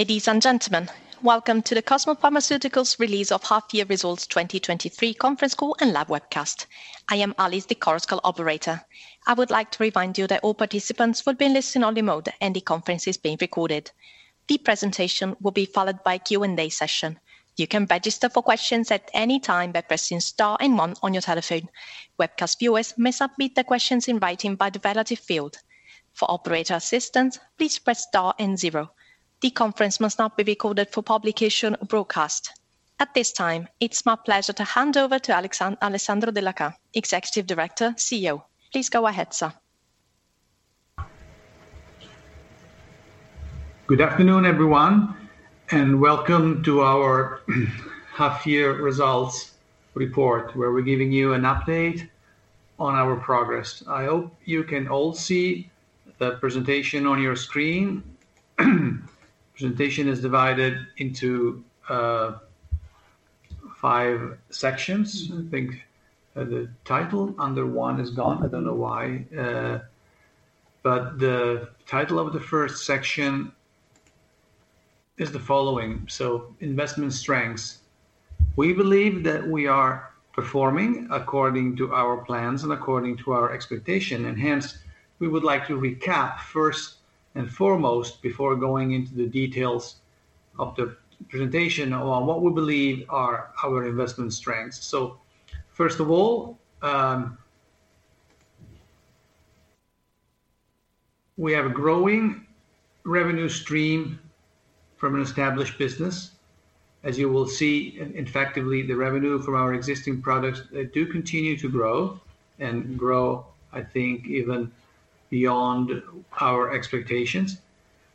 Ladies and gentlemen, welcome to the Cosmo Pharmaceuticals release of Half Year Results 2023 Conference Call and Live Webcast. I am Alice, the conference call operator. I would like to remind you that all participants will be in listen-only mode, and the conference is being recorded. The presentation will be followed by a Q&A session. You can register for questions at any time by pressing star and one on your telephone. Webcast viewers may submit their questions in writing by the relative field. For operator assistance, please press star and zero. The conference must not be recorded for publication or broadcast. At this time, it's my pleasure to hand over to Alessandro Della Chà, Executive Director, CEO. Please go ahead, sir. Good afternoon, everyone, welcome to our half-year results report, where we're giving you an update on our progress. I hope you can all see the presentation on your screen. Presentation is divided into five sections. I think, the title under one is gone. I don't know why, the title of the first section is the following: Investment strengths. We believe that we are performing according to our plans and according to our expectation, hence, we would like to recap first and foremost before going into the details of the presentation on what we believe are our investment strengths. First of all, we have a growing revenue stream from an established business. As you will see, in factually, the revenue from our existing products, they do continue to grow and grow, I think, even beyond our expectations.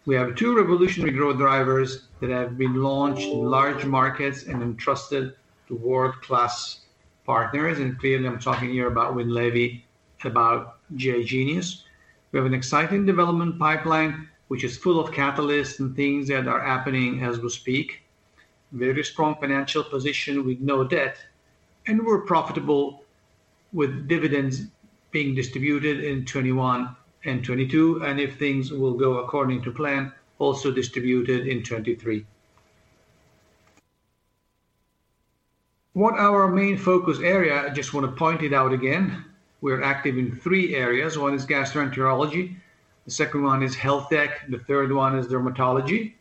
We have two revolutionary growth drivers that have been launched in large markets and entrusted to world-class partners. Clearly, I'm talking here about Winlevi, about GI Genius. We have an exciting development pipeline, which is full of catalysts and things that are happening as we speak. Very strong financial position with no debt. We're profitable, with dividends being distributed in 2021 and 2022, and if things will go according to plan, also distributed in 2023. What our main focus area, I just want to point it out again, we're active in three areas. One is gastroenterology, the second one is health tech, the third one is dermatology.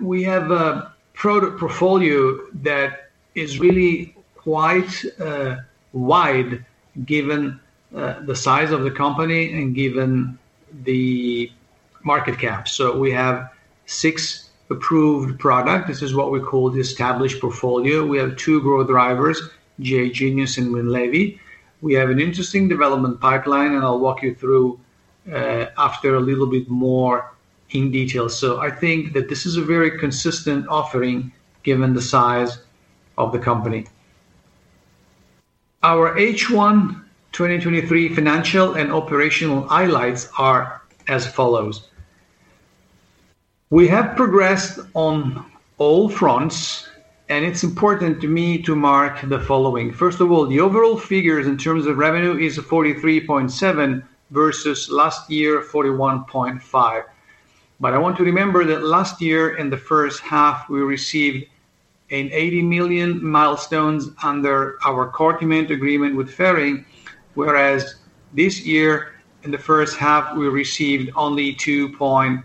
We have a product portfolio that is really quite wide, given the size of the company and given the market cap. We have six approved product. This is what we call the established portfolio. We have two growth drivers, GI Genius and Winlevi. I'll walk you through after a little bit more in detail. I think that this is a very consistent offering, given the size of the company. Our H1 2023 financial and operational highlights are as follows: We have progressed on all fronts, it's important to me to mark the following. First of all, the overall figures in terms of revenue is 43.7 million versus last year, 41.5 million. I want to remember that last year, in the first half, we received an 80 million milestones under our Cortiment agreement with Ferring, whereas this year, in the first half, we received only 2.7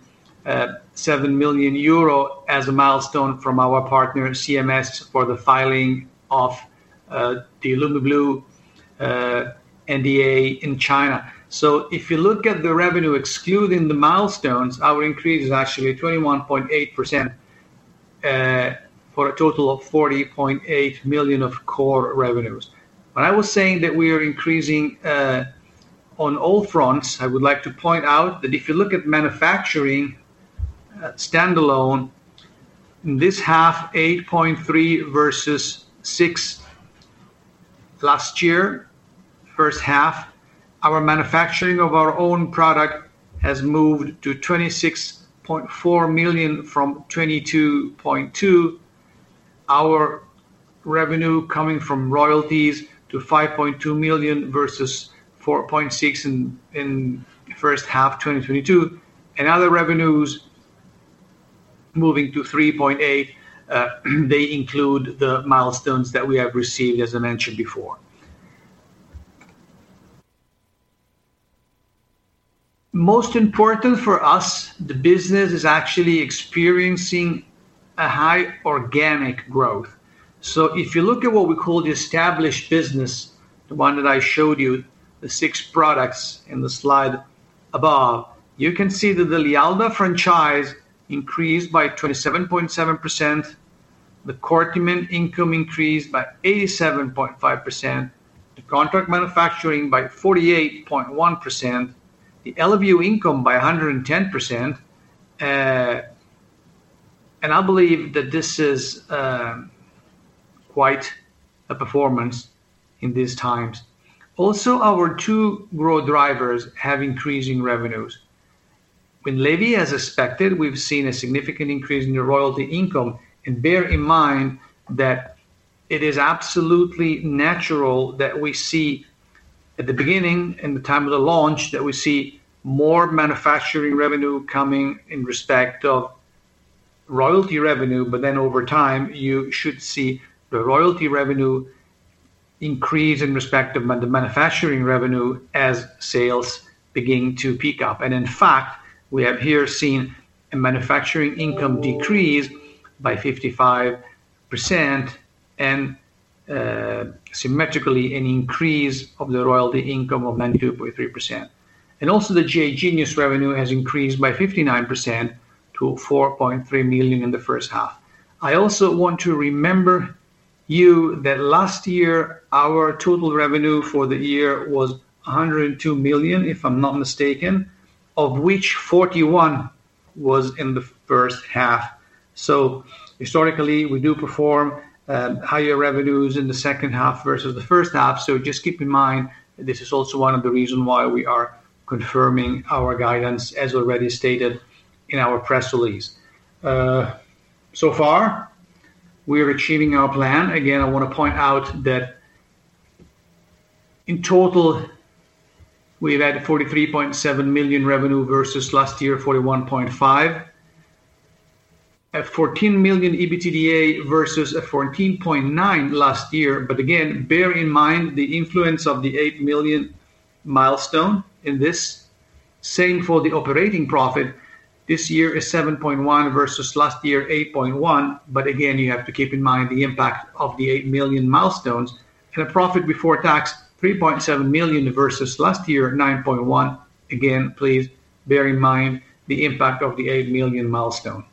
million euro as a milestone from our partner, CMS, for the filing of the Lumeblue NDA in China. If you look at the revenue, excluding the milestones, our increase is actually 21.8% for a total of 40.8 million of core revenues. I was saying that we are increasing on all fronts. I would like to point out that if you look at manufacturing standalone, in this half, 8.3 million versus 6 million last year, first half, our manufacturing of our own product has moved to 26.4 million from 22.2 million. Our revenue coming from royalties to 5.2 million versus 4.6 million in the first half of 2022, and other revenues moving to 3.8 million. They include the milestones that we have received as I mentioned before. Most important for us, the business is actually experiencing a high organic growth. If you look at what we call the established business, the one that I showed you, the six products in the slide above, you can see that the Lialda franchise increased by 27.7%, the Cortiment income increased by 87.5%, the contract manufacturing by 48.1%, the Eleview income by 110%, and I believe that this is quite a performance in these times. Our two growth drivers have increasing revenues. Winlevi, as expected, we've seen a significant increase in the royalty income, and bear in mind that it is absolutely natural that. At the beginning, in the time of the launch, that we see more manufacturing revenue coming in respect of royalty revenue. Over time, you should see the royalty revenue increase in respect of the manufacturing revenue as sales begin to peak up. In fact, we have here seen a manufacturing income decrease by 55% and, symmetrically, an increase of the royalty income of 92.3%. Also, the GI Genius revenue has increased by 59% to 4.3 million in the first half. I also want to remember you that last year, our total revenue for the year was 102 million, if I'm not mistaken, of which 41 million was in the first half. Historically, we do perform higher revenues in the second half versus the first half. Just keep in mind, this is also one of the reason why we are confirming our guidance, as already stated in our press release. So far, we are achieving our plan. Again, I wanna point out that in total, we've had 43.7 million revenue versus last year, 41.5 million. At 14 million EBITDA versus 14.9 million last year. Again, bear in mind the influence of the 8 million milestone in this. Same for the operating profit. This year is 7.1 million versus last year, 8.1 million. Again, you have to keep in mind the impact of the 8 million milestones and a profit before tax, 3.7 million versus last year, 9.1 million. Again, please bear in mind the impact of the 8 million milestone.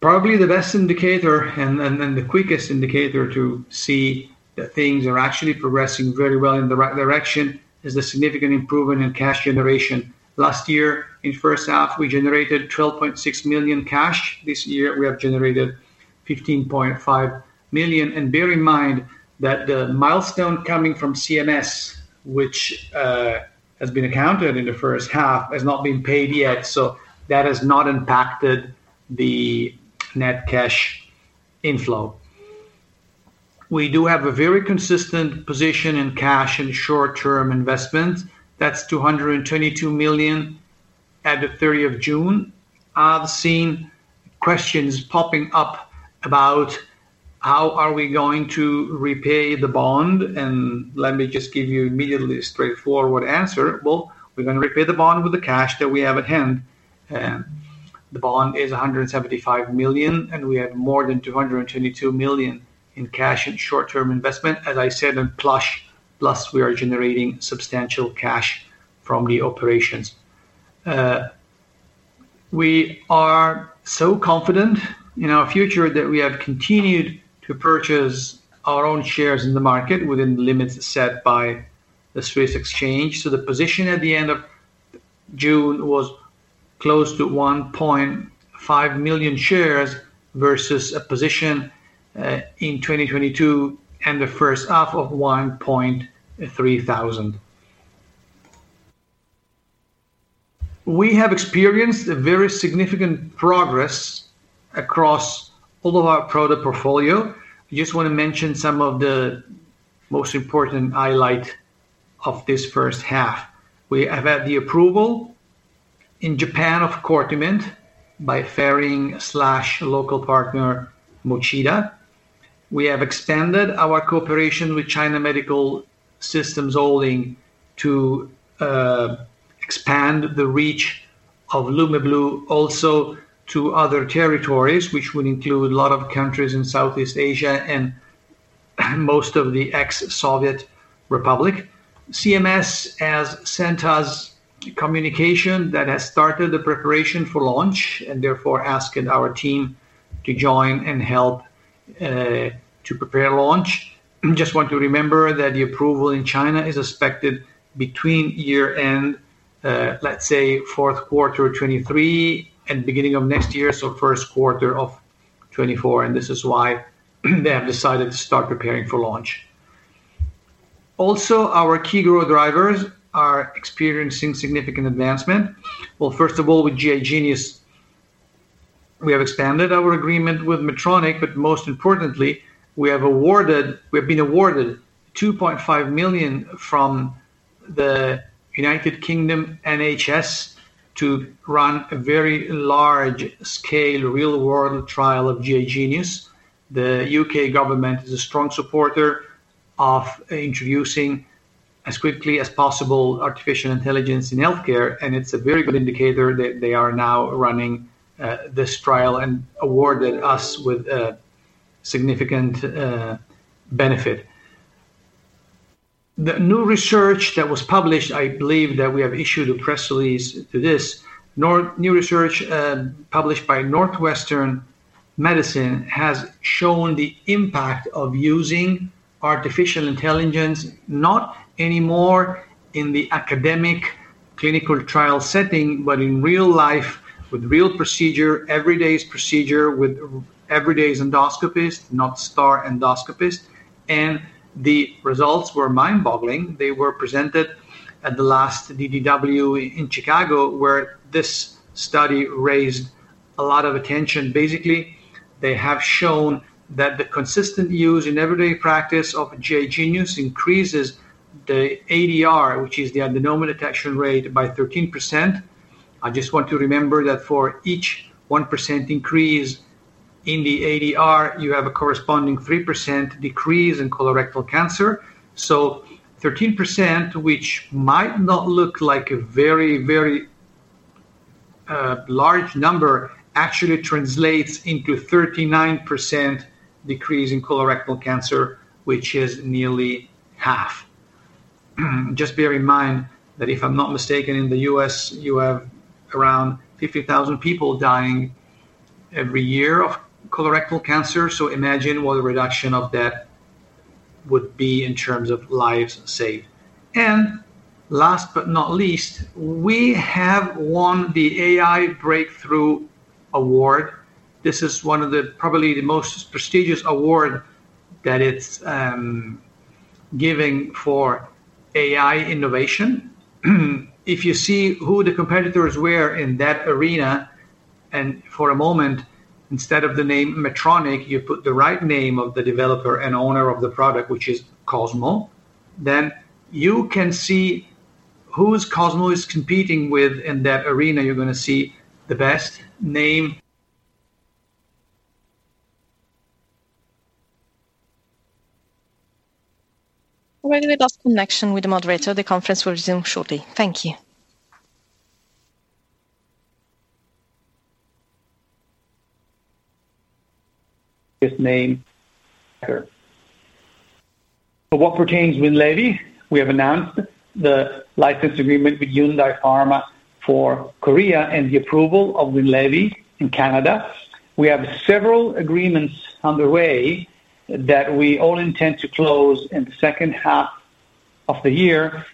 Probably the best indicator, and the quickest indicator to see that things are actually progressing very well in the right direction, is the significant improvement in cash generation. Last year, in first half, we generated 12.6 million cash. This year, we have generated 15.5 million. Bear in mind that the milestone coming from CMS, which has been accounted in the first half, has not been paid yet, so that has not impacted the net cash inflow. We do have a very consistent position in cash and short-term investments. That's 222 million at the 30th of June. I've seen questions popping up about how are we going to repay the bond, let me just give you immediately a straightforward answer. Well, we're gonna repay the bond with the cash that we have at hand. The bond is 175 million, we have more than 222 million in cash and short-term investment, as I said, plus we are generating substantial cash from the operations. We are so confident in our future that we have continued to purchase our own shares in the market within the limits set by the SIX Swiss Exchange. The position at the end of June was close to 1.5 million shares versus a position in 2022 and the first half of 1,300. We have experienced a very significant progress across all of our product portfolio. I just wanna mention some of the most important highlight of this first half. We have had the approval in Japan of Cortiment by Ferring/local partner, Mochida. We have expanded our cooperation with China Medical System Holdings to expand the reach of Lumeblue also to other territories, which would include a lot of countries in Southeast Asia and most of the ex-Soviet Republic. CMS has sent us communication that has started the preparation for launch, and therefore asking our team to join and help to prepare launch. Just want to remember that the approval in China is expected between year-end, let's say fourth quarter of 2023 and beginning of next year, so first quarter of 2024, and this is why they have decided to start preparing for launch. Also, our key growth drivers are experiencing significant advancement. Well, first of all, with GI Genius, we have expanded our agreement with Medtronic, but most importantly, we have awarded... We've been awarded 2.5 million from the United Kingdom, NHS, to run a very large-scale, real-world trial of GI Genius. The U.K. government is a strong supporter of introducing, as quickly as possible, artificial intelligence in healthcare, and it's a very good indicator that they are now running this trial and awarded us with a significant benefit. The new research that was published, I believe, that we have issued a press release to this. New research published by Northwestern Medicine has shown the impact of using artificial intelligence, not anymore in the academic clinical trial setting, but in real life, with real procedure, every day's procedure, with every day's endoscopist, not star endoscopist, and the results were mind-boggling. They were presented at the last DDW in Chicago, where this study raised a lot of attention. Basically, they have shown that the consistent use in everyday practice of GI Genius increases the ADR, which is the adenoma detection rate, by 13%. I just want to remember that for each 1% increase in the ADR, you have a corresponding 3% decrease in colorectal cancer. 13%, which might not look like a very, very large number, actually translates into 39% decrease in colorectal cancer, which is nearly half. Just bear in mind that if I'm not mistaken, in the U.S., you have around 50,000 people dying every year of colorectal cancer. Last but not least, we have won the AI Breakthrough Award. This is one of the, probably the most prestigious award that it's giving for AI innovation. If you see who the competitors were in that arena, and for a moment, instead of the name Medtronic, you put the right name of the developer and owner of the product, which is Cosmo, then you can see whose Cosmo is competing with in that arena. You're going to see the best name. We lost connection with the moderator. The conference will resume shortly. Thank you. This name. What pertains Winlevi, we have announced the license agreement with Hyundai Pharm for Korea and the approval of Winlevi in Canada. We have several agreements on the way that we all intend to close in the second half of the year.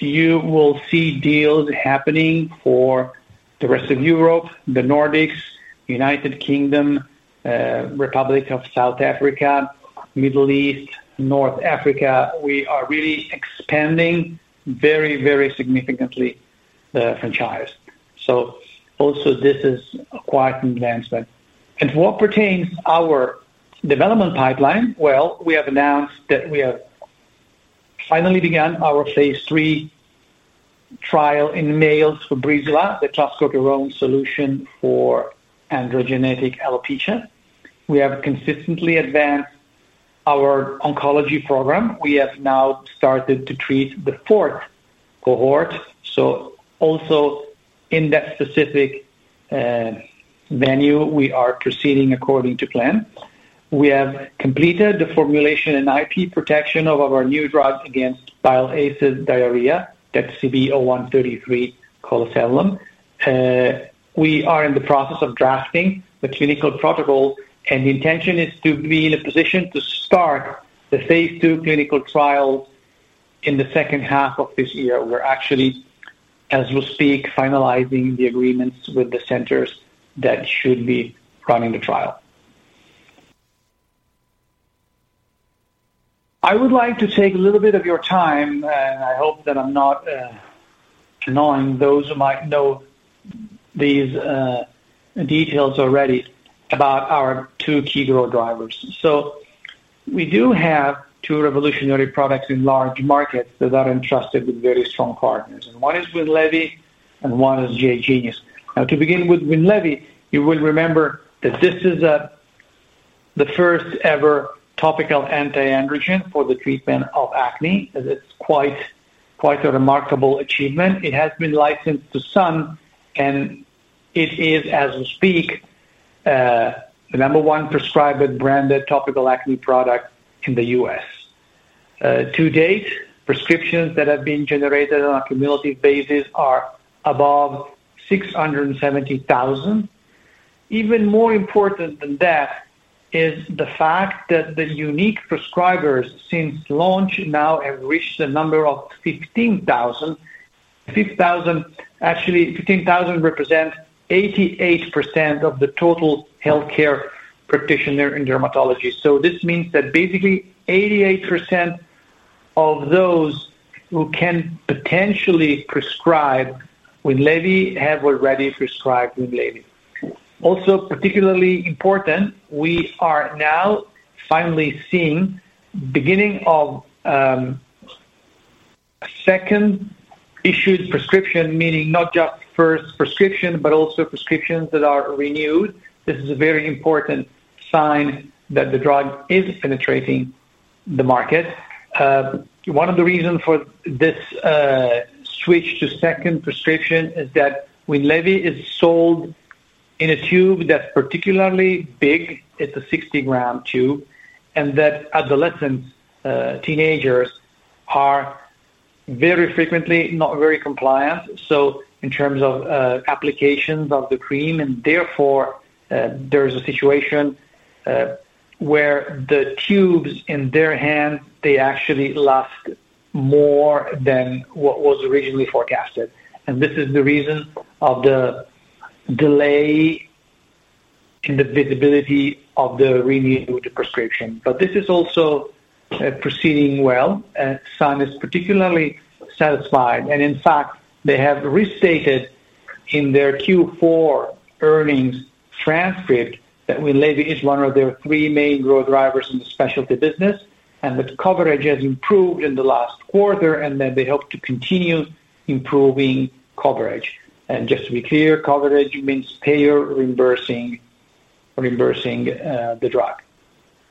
You will see deals happening for the rest of Europe, the Nordics, United Kingdom, Republic of South Africa, Middle East, North Africa. We are really expanding very, very significantly the franchise. Also, this is quite an advancement. What pertains our development pipeline, well, we have announced that we have finally begun our phase III trial in males for Breezula, the clascoterone solution for androgenetic alopecia. We have consistently advanced our oncology program. We have now started to treat the fourth cohort, so also in that specific venue, we are proceeding according to plan. We have completed the formulation and IP protection of our new drugs against bile acid diarrhea, that's CB-01-33 colesevelam. We are in the process of drafting the clinical protocol, and the intention is to be in a position to start the phase II clinical trials in the second half of this year. We're actually, as we speak, finalizing the agreements with the centers that should be running the trial. I would like to take a little bit of your time, and I hope that I'm not annoying those who might know these details already about our two key growth drivers. We do have two revolutionary products in large markets that are entrusted with very strong partners, and one is Winlevi, and one is GI Genius. To begin with Winlevi, you will remember that this is the first ever topical anti-androgen for the treatment of acne, as it's quite a remarkable achievement. It has been licensed to Sun, it is, as we speak, the number one prescribed branded topical acne product in the U.S. To date, prescriptions that have been generated on a cumulative basis are above 670,000. Even more important than that is the fact that the unique prescribers since launch now have reached a number of 15,000. Actually, 15,000 represent 88% of the total healthcare practitioner in dermatology. This means that basically 88% of those who can potentially prescribe Winlevi have already prescribed Winlevi. Particularly important, we are now finally seeing beginning of a second issued prescription, meaning not just first prescription, but also prescriptions that are renewed. This is a very important sign that the drug is penetrating the market. One of the reasons for this switch to second prescription is that Winlevi is sold in a tube that's particularly big. It's a 60 g tube, and that adolescents, teenagers are very frequently not very compliant, so in terms of applications of the cream, and therefore, there is a situation where the tubes in their hand, they actually last more than what was originally forecasted. This is the reason of the delay in the visibility of the renewal of the prescription. This is also proceeding well, and Sun is particularly satisfied. In fact, they have restated in their Q4 earnings transcript that Winlevi is one of their three main growth drivers in the specialty business, and that the coverage has improved in the last quarter and that they hope to continue improving coverage. Just to be clear, coverage means payer reimbursing the drug.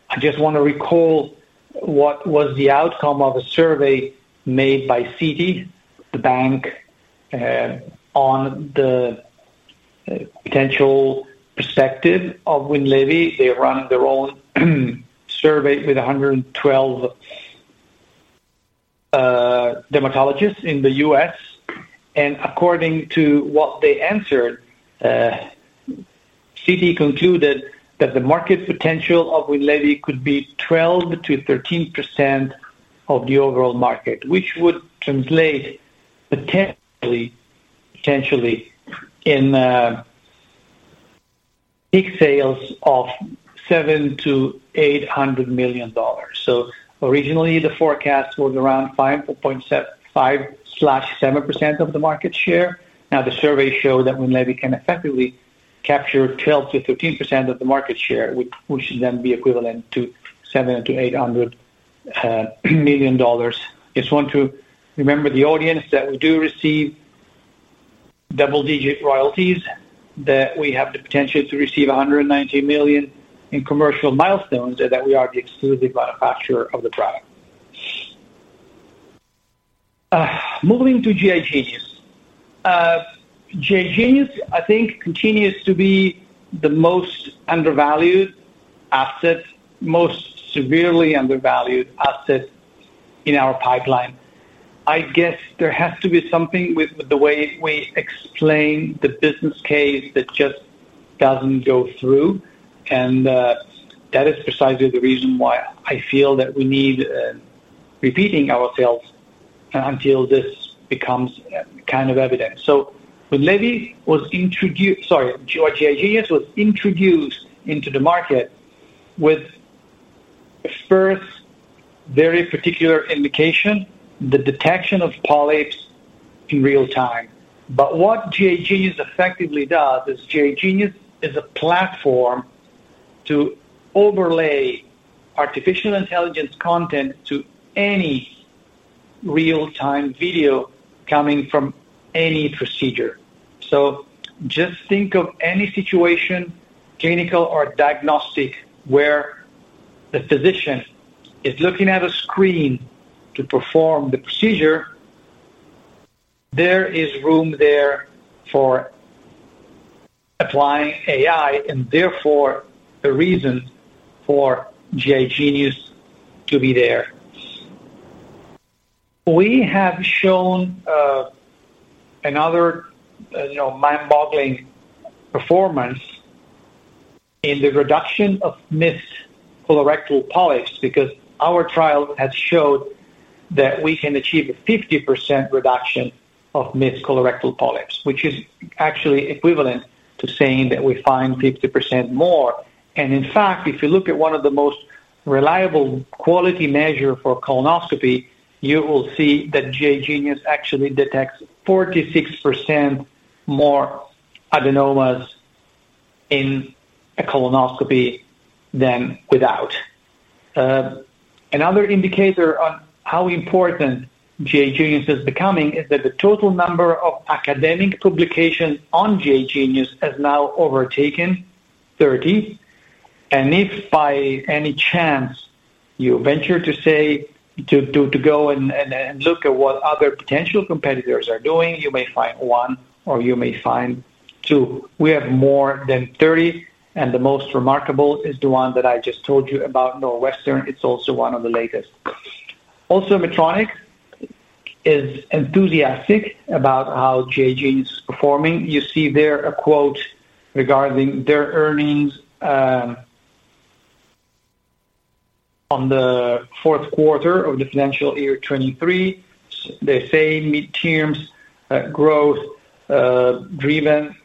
I just want to recall what was the outcome of a survey made by Citi, the bank, on the potential perspective of Winlevi. They ran their own survey with 112 dermatologists in the U.S., and according to what they answered, Citi concluded that the market potential of Winlevi could be 12%-13% of the overall market, which would translate potentially in peak sales of $700 million-$800 million. Originally, the forecast was around 5/7% of the market share. The survey show that Winlevi can effectively capture 12%-13% of the market share, which should then be equivalent to $700 million-$800 million. Just want to remember the audience that we do receive double-digit royalties, that we have the potential to receive $190 million in commercial milestones, and that we are the exclusive manufacturer of the product. Moving to GI Genius. GI Genius, I think, continues to be the most undervalued asset, most severely undervalued asset in our pipeline. I guess there has to be something with the way we explain the business case that just doesn't go through, and that is precisely the reason why I feel that we need repeating ourselves until this becomes kind of evident. Winlevi was introduced. Sorry. GI Genius was introduced into the market with a first very particular indication, the detection of polyps in real time. What GI Genius effectively does, is GI Genius is a platform to overlay artificial intelligence content to any real-time video coming from any procedure. Just think of any situation, clinical or diagnostic, where the physician is looking at a screen to perform the procedure. There is room there for applying AI, and therefore a reason for GI Genius to be there. We have shown mind-boggling performance in the reduction of missed colorectal polyps, because our trial has showed that we can achieve a 50% reduction of missed colorectal polyps, which is actually equivalent to saying that we find 50% more. In fact, if you look at one of the most reliable quality measure for colonoscopy, you will see that GI Genius actually detects 46% more adenomas in a colonoscopy than without. Another indicator on how important GI Genius is becoming is that the total number of academic publications on GI Genius has now overtaken 30. If by any chance you venture to say, to go and look at what other potential competitors are doing, you may find one or you may find two. We have more than 30, and the most remarkable is the one that I just told you about Northwestern. It's also one of the latest. Medtronic is enthusiastic about how GI Genius is performing. You see there a quote regarding their earnings on the fourth quarter of the financial year 2023. They say, "Mid-terms growth driven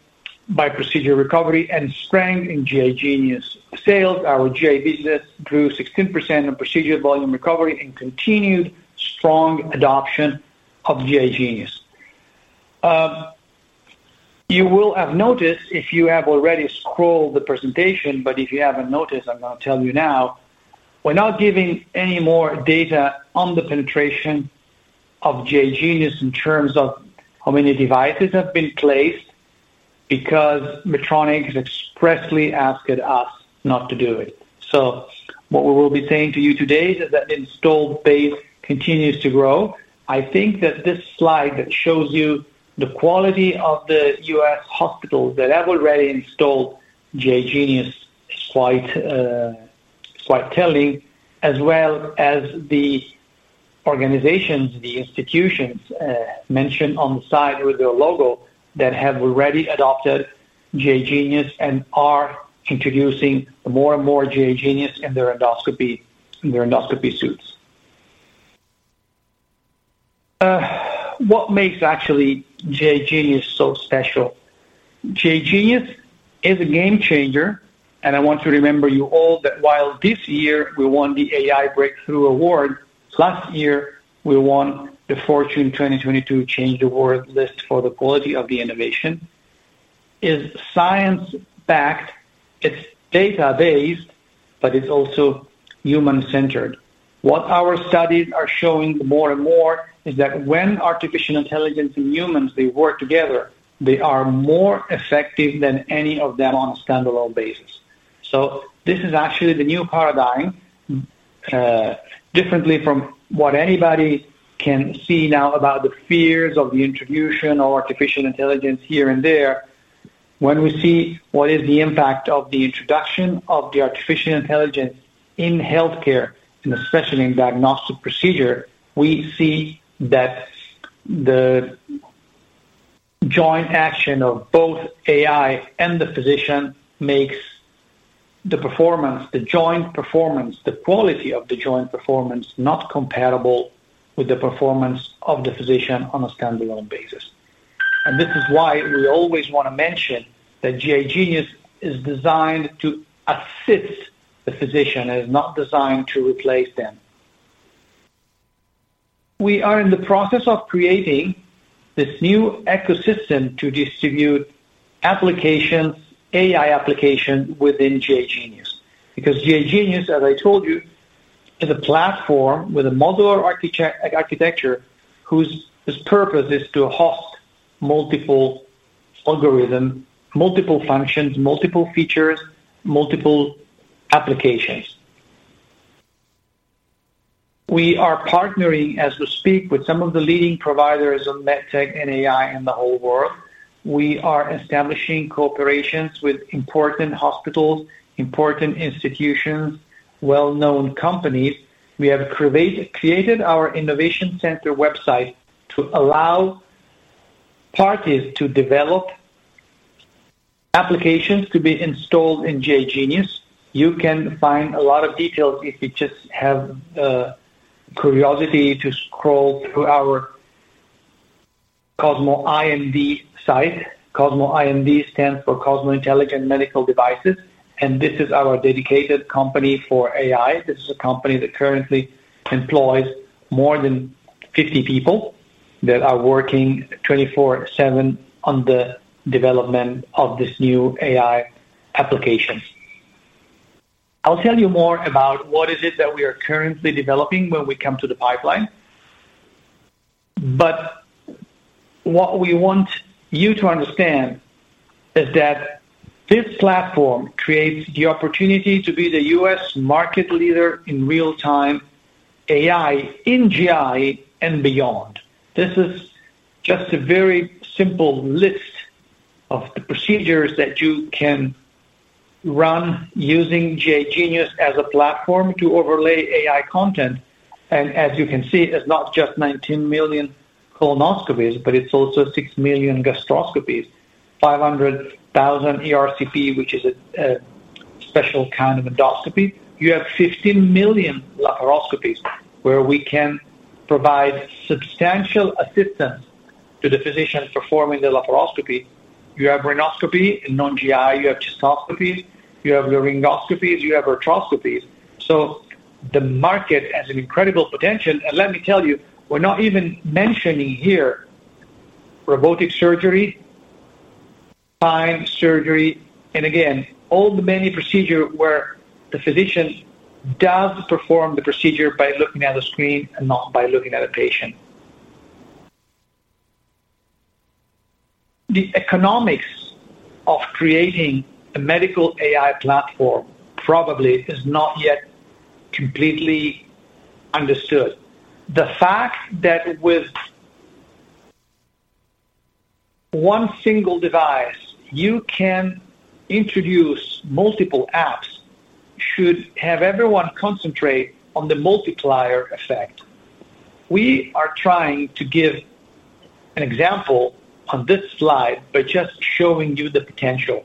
by procedural recovery and strength in GI Genius sales. Our GI business grew 16% on procedural volume recovery and continued strong adoption of GI Genius." You will have noticed if you have already scrolled the presentation, but if you haven't noticed, I'm gonna tell you now, we're not giving any more data on the penetration of GI Genius in terms of how many devices have been placed, because Medtronic has expressly asked us not to do it. What we will be saying to you today is that the installed base continues to grow. I think that this slide that shows you the quality of the U.S. hospitals that have already installed GI Genius is quite telling, as well as the organizations, the institutions, mentioned on the side with their logo, that have already adopted GI Genius and are introducing more and more GI Genius in their endoscopy suites. What makes actually GI Genius so special? GI Genius is a game changer. I want to remember you all that while this year we won the AI Breakthrough Award, last year we won the Fortune 2022 Change the World list for the quality of the innovation. Is science-backed, it's data-based, but it's also human-centered. What our studies are showing more and more is that when artificial intelligence and humans, they work together, they are more effective than any of them on a standalone basis. This is actually the new paradigm, differently from what anybody can see now about the fears of the introduction of artificial intelligence here and there. When we see what is the impact of the introduction of the artificial intelligence in healthcare, and especially in diagnostic procedure, we see that the joint action of both AI and the physician makes the performance, the joint performance, the quality of the joint performance, not comparable with the performance of the physician on a standalone basis. This is why we always want to mention that GI Genius is designed to assist the physician, it is not designed to replace them. We are in the process of creating this new ecosystem to distribute applications, AI application within GI Genius. GI Genius, as I told you, is a platform with a modular architecture, whose purpose is to host multiple algorithms, multiple functions, multiple features, multiple applications. We are partnering, as we speak, with some of the leading providers of MedTech and AI in the whole world. We are establishing cooperations with important hospitals, important institutions, well-known companies. We have created our innovation center website to allow parties to develop applications to be installed in GI Genius. You can find a lot of details if you just have curiosity to scroll through our Cosmo IMD site. Cosmo IMD stands for Cosmo Intelligent Medical Devices, and this is our dedicated company for AI. This is a company that currently employs more than 50 people that are working 24/7 on the development of this new AI application. I'll tell you more about what is it that we are currently developing when we come to the pipeline. What we want you to understand is that this platform creates the opportunity to be the U.S. market leader in real-time AI, in GI and beyond. This is just a very simple list of the procedures that you can run using GI Genius as a platform to overlay AI content. As you can see, it's not just 19 million colonoscopies, but it's also 6 million gastroscopies, 500,000 ERCP, which is a special kind of endoscopy. You have 15 million laparoscopies where we can provide substantial assistance to the physicians performing the laparoscopy. You have rhinoscopy in non-GI, you have cystoscopies, you have laryngoscopies, you have arthroscopies. The market has an incredible potential, and let me tell you, we're not even mentioning here robotic surgery, time surgery, and again, all the many procedure where the physician does perform the procedure by looking at the screen and not by looking at a patient. The economics of creating a medical AI platform probably is not yet completely understood. The fact that with one single device, you can introduce multiple apps, should have everyone concentrate on the multiplier effect. We are trying to give an example on this slide by just showing you the potential.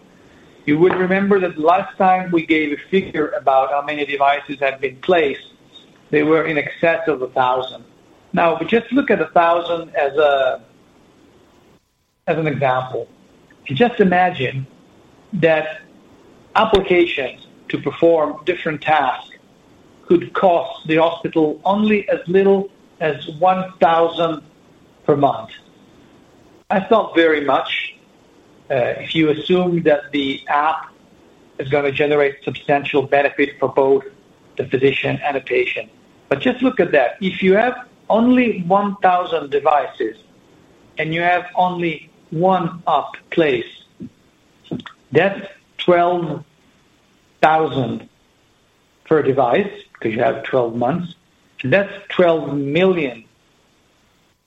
You would remember that last time we gave a figure about how many devices had been placed, they were in excess of 1,000. If you just look at 1,000 as an example, and just imagine that applications to perform different tasks could cost the hospital only as little as 1,000 per month. That's not very much, if you assume that the app is going to generate substantial benefit for both the physician and the patient. Just look at that. If you have only 1,000 devices, and you have only one app placed, that's 12,000 per device, because you have 12 months. That's 12 million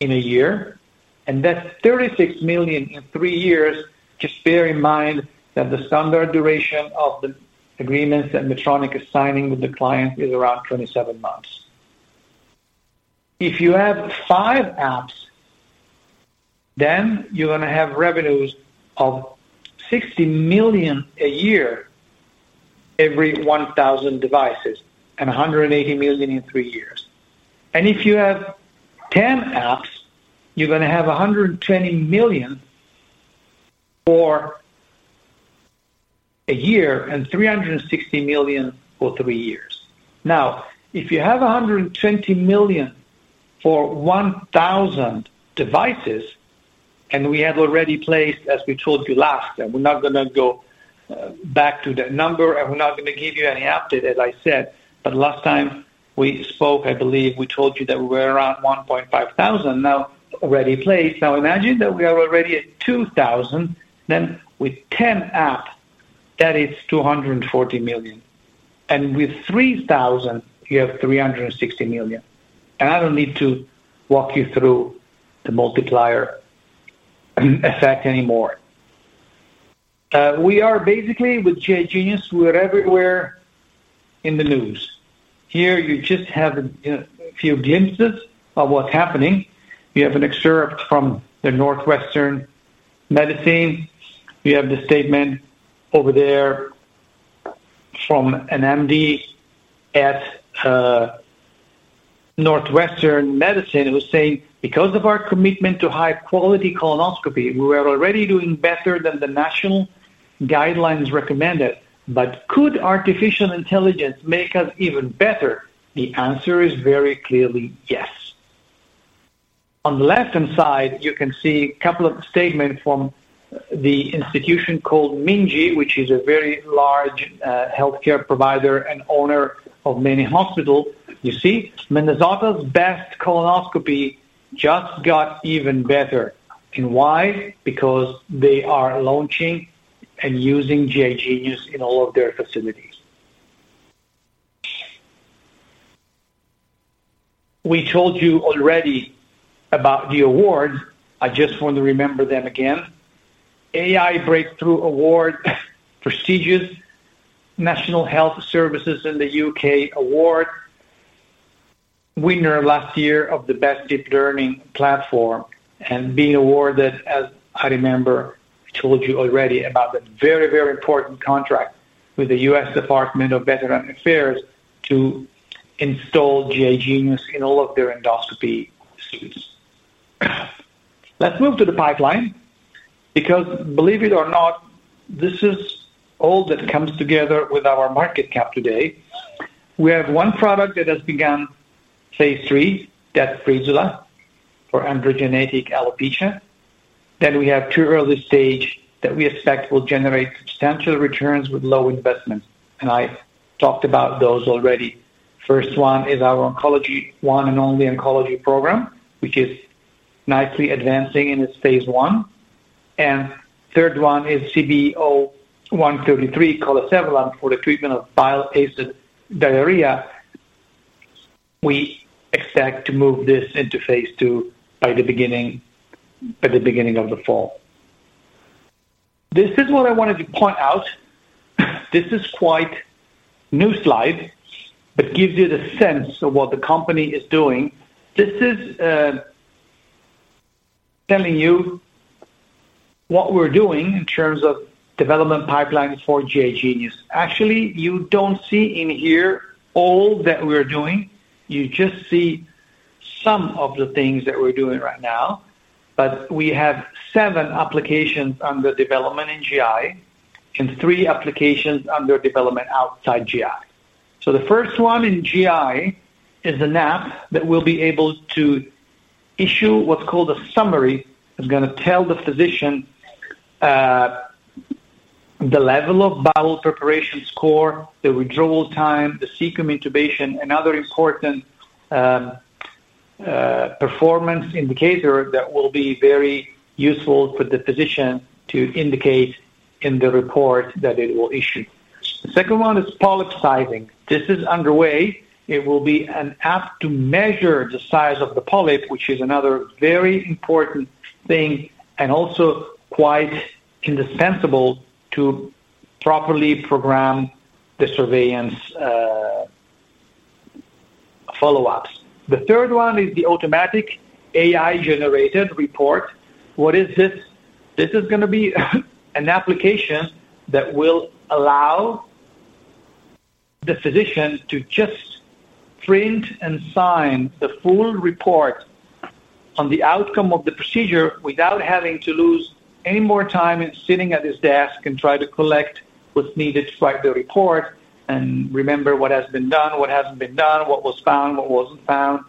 in a year, and that's 36 million in three years. Just bear in mind that the standard duration of the agreements that Medtronic is signing with the client is around 27 months. If you have five apps, you're gonna have revenues of 60 million a year, every 1,000 devices, and 180 million in three years. If you have 10 apps, you're gonna have 120 million for a year and 360 million for three years. If you have 120 million for 1,000 devices, and we have already placed, as we told you last, and we're not gonna go back to that number, and we're not gonna give you any update, as I said. Last time we spoke, I believe we told you that we were around 1,500 now already placed. Imagine that we are already at 2,000, with 10 app, that is 240 million, and with 3,000, you have 360 million. I don't need to walk you through the multiplier effect anymore. We are basically with GI Genius, we're everywhere in the news. Here, you just have a few glimpses of what's happening. We have an excerpt from the Northwestern Medicine. We have the statement over there from an MD at Northwestern Medicine, who say, "Because of our commitment to high-quality colonoscopy, we were already doing better than the national guidelines recommended. Could artificial intelligence make us even better? The answer is very clearly yes." On the left-hand side, you can see a couple of statements from the institution called MNGI, which is a very large healthcare provider and owner of many hospitals. You see, Minnesota's best colonoscopy just got even better. Why? Because they are launching and using GI Genius in all of their facilities. We told you already about the award. I just want to remember them again. AI Breakthrough Award, prestigious National Health Service in the U.K. award, winner last year of the best deep learning platform. Being awarded, as I remember, I told you already about that very, very important contract with the U.S. Department of Veterans Affairs to install GI Genius in all of their endoscopy suites. Let's move to the pipeline, because believe it or not, this is all that comes together with our market cap today. We have one product that has begun phase III, that's Breezula for androgenetic alopecia. We have two early stage that we expect will generate substantial returns with low investment, I talked about those already. First one is our oncology, one and only oncology program, which is nicely advancing in its phase I. Third one is CB-01-33 colesevelam for the treatment of bile acid diarrhea. We expect to move this into phase II by the beginning of the fall. This is what I wanted to point out. This is quite new slide, gives you the sense of what the company is doing. This is telling you what we're doing in terms of development pipelines for GI Genius. Actually, you don't see in here all that we're doing. You just see some of the things that we're doing right now. We have seven applications under development in GI, and three applications under development outside GI. The first one in GI is an app that will be able to issue what's called a summary. It's gonna tell the physician, the level of bowel preparation score, the withdrawal time, the cecum intubation, and other important performance indicator that will be very useful for the physician to indicate in the report that it will issue. The second one is polyp sizing. This is underway. It will be an app to measure the size of the polyp, which is another very important thing, and also quite indispensable to properly program the surveillance, follow-ups. The third one is the automatic AI-generated report. What is this? This is gonna be an application that will allow the physician to just print and sign the full report on the outcome of the procedure without having to lose any more time in sitting at his desk and try to collect what's needed to write the report and remember what has been done, what hasn't been done, what was found, what wasn't found.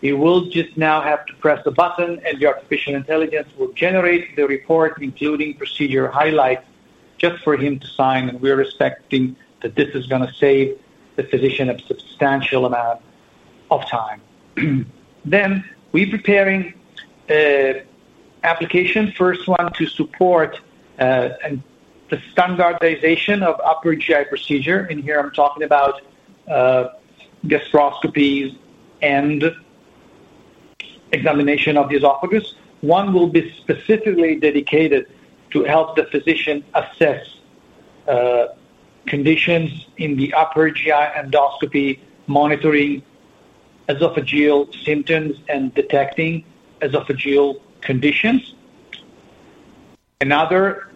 He will just now have to press a button, and the artificial intelligence will generate the report, including procedure highlights, just for him to sign, and we're expecting that this is gonna save the physician a substantial amount of time. We're preparing a application, first one, to support the standardization of upper GI procedure, and here I'm talking about gastroscopies and examination of the esophagus. One will be specifically dedicated to help the physician assess conditions in the upper GI endoscopy, monitoring esophageal symptoms, and detecting esophageal conditions. Another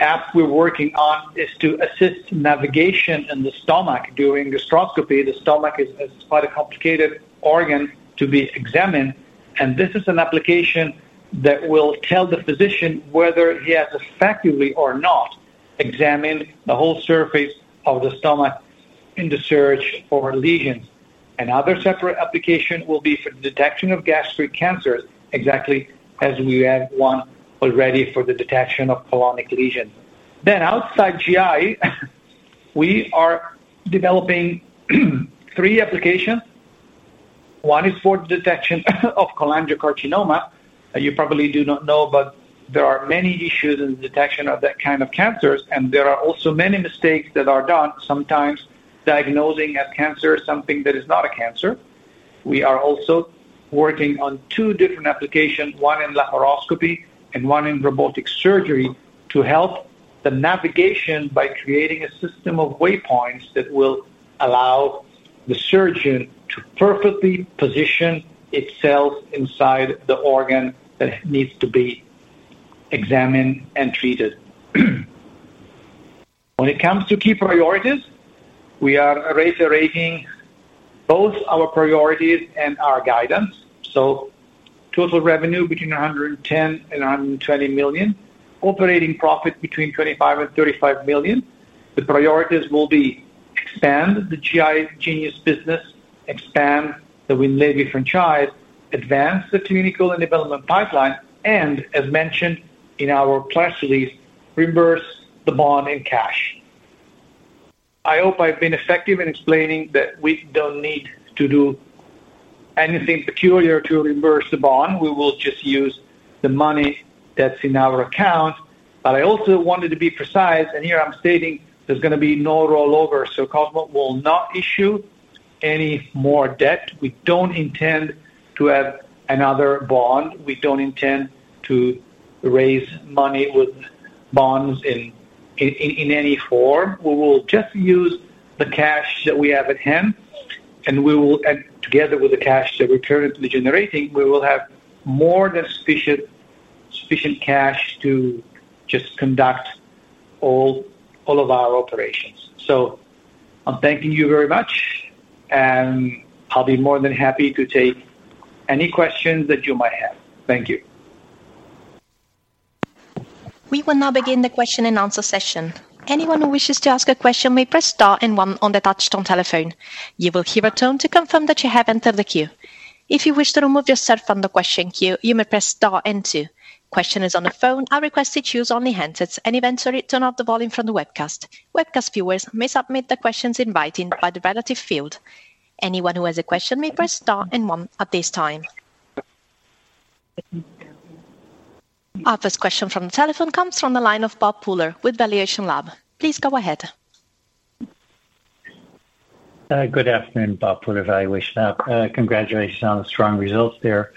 app we're working on is to assist navigation in the stomach. During gastroscopy, the stomach is quite a complicated organ to be examined. This is an application that will tell the physician whether he has effectively or not examined the whole surface of the stomach in the search for lesions. Another separate application will be for detection of gastric cancers, exactly as we have one already for the detection of colonic lesions. Outside GI, we are developing three applications. One is for detection of cholangiocarcinoma. You probably do not know, but there are many issues in the detection of that kind of cancers, and there are also many mistakes that are done, sometimes diagnosing as cancer, something that is not a cancer. We are also working on two different applications, one in laparoscopy and one in robotic surgery, to help the navigation by creating a system of waypoints that will allow the surgeon to perfectly position itself inside the organ that needs to be examined and treated. When it comes to key priorities, we are reiterating both our priorities and our guidance. Total revenue between 110 million and 120 million. Operating profit between 25 million and 35 million. The priorities will be: expand the GI Genius business, expand the Winlevi franchise, advance the clinical and development pipeline, and as mentioned in our press release, reverse the bond in cash. I hope I've been effective in explaining that we don't need to do anything peculiar to reverse the bond. We will just use the money that's in our account. I also wanted to be precise, and here I'm stating there's gonna be no rollover, so Cosmo will not issue any more debt. We don't intend to have another bond. We don't intend to raise money with bonds in any form. We will just use the cash that we have at hand. Together with the cash that we're currently generating, we will have more than sufficient cash to just conduct all of our operations. I'm thanking you very much, and I'll be more than happy to take any questions that you might have. Thank you. We will now begin the question and answer session. Anyone who wishes to ask a question may press star and one on the touch-tone telephone. You will hear a tone to confirm that you have entered the queue. If you wish to remove yourself from the question queue, you may press star and two. Questioners on the phone are requested to use only handsets and eventually turn off the volume from the webcast. Webcast viewers may submit their questions in writing by the relative field. Anyone who has a question may press star and one at this time. Our first question from the telephone comes from the line of Bob Pooler with valuationLAB. Please go ahead. Good afternoon, Bob Pooler, valuationLAB. Congratulations on the strong results there.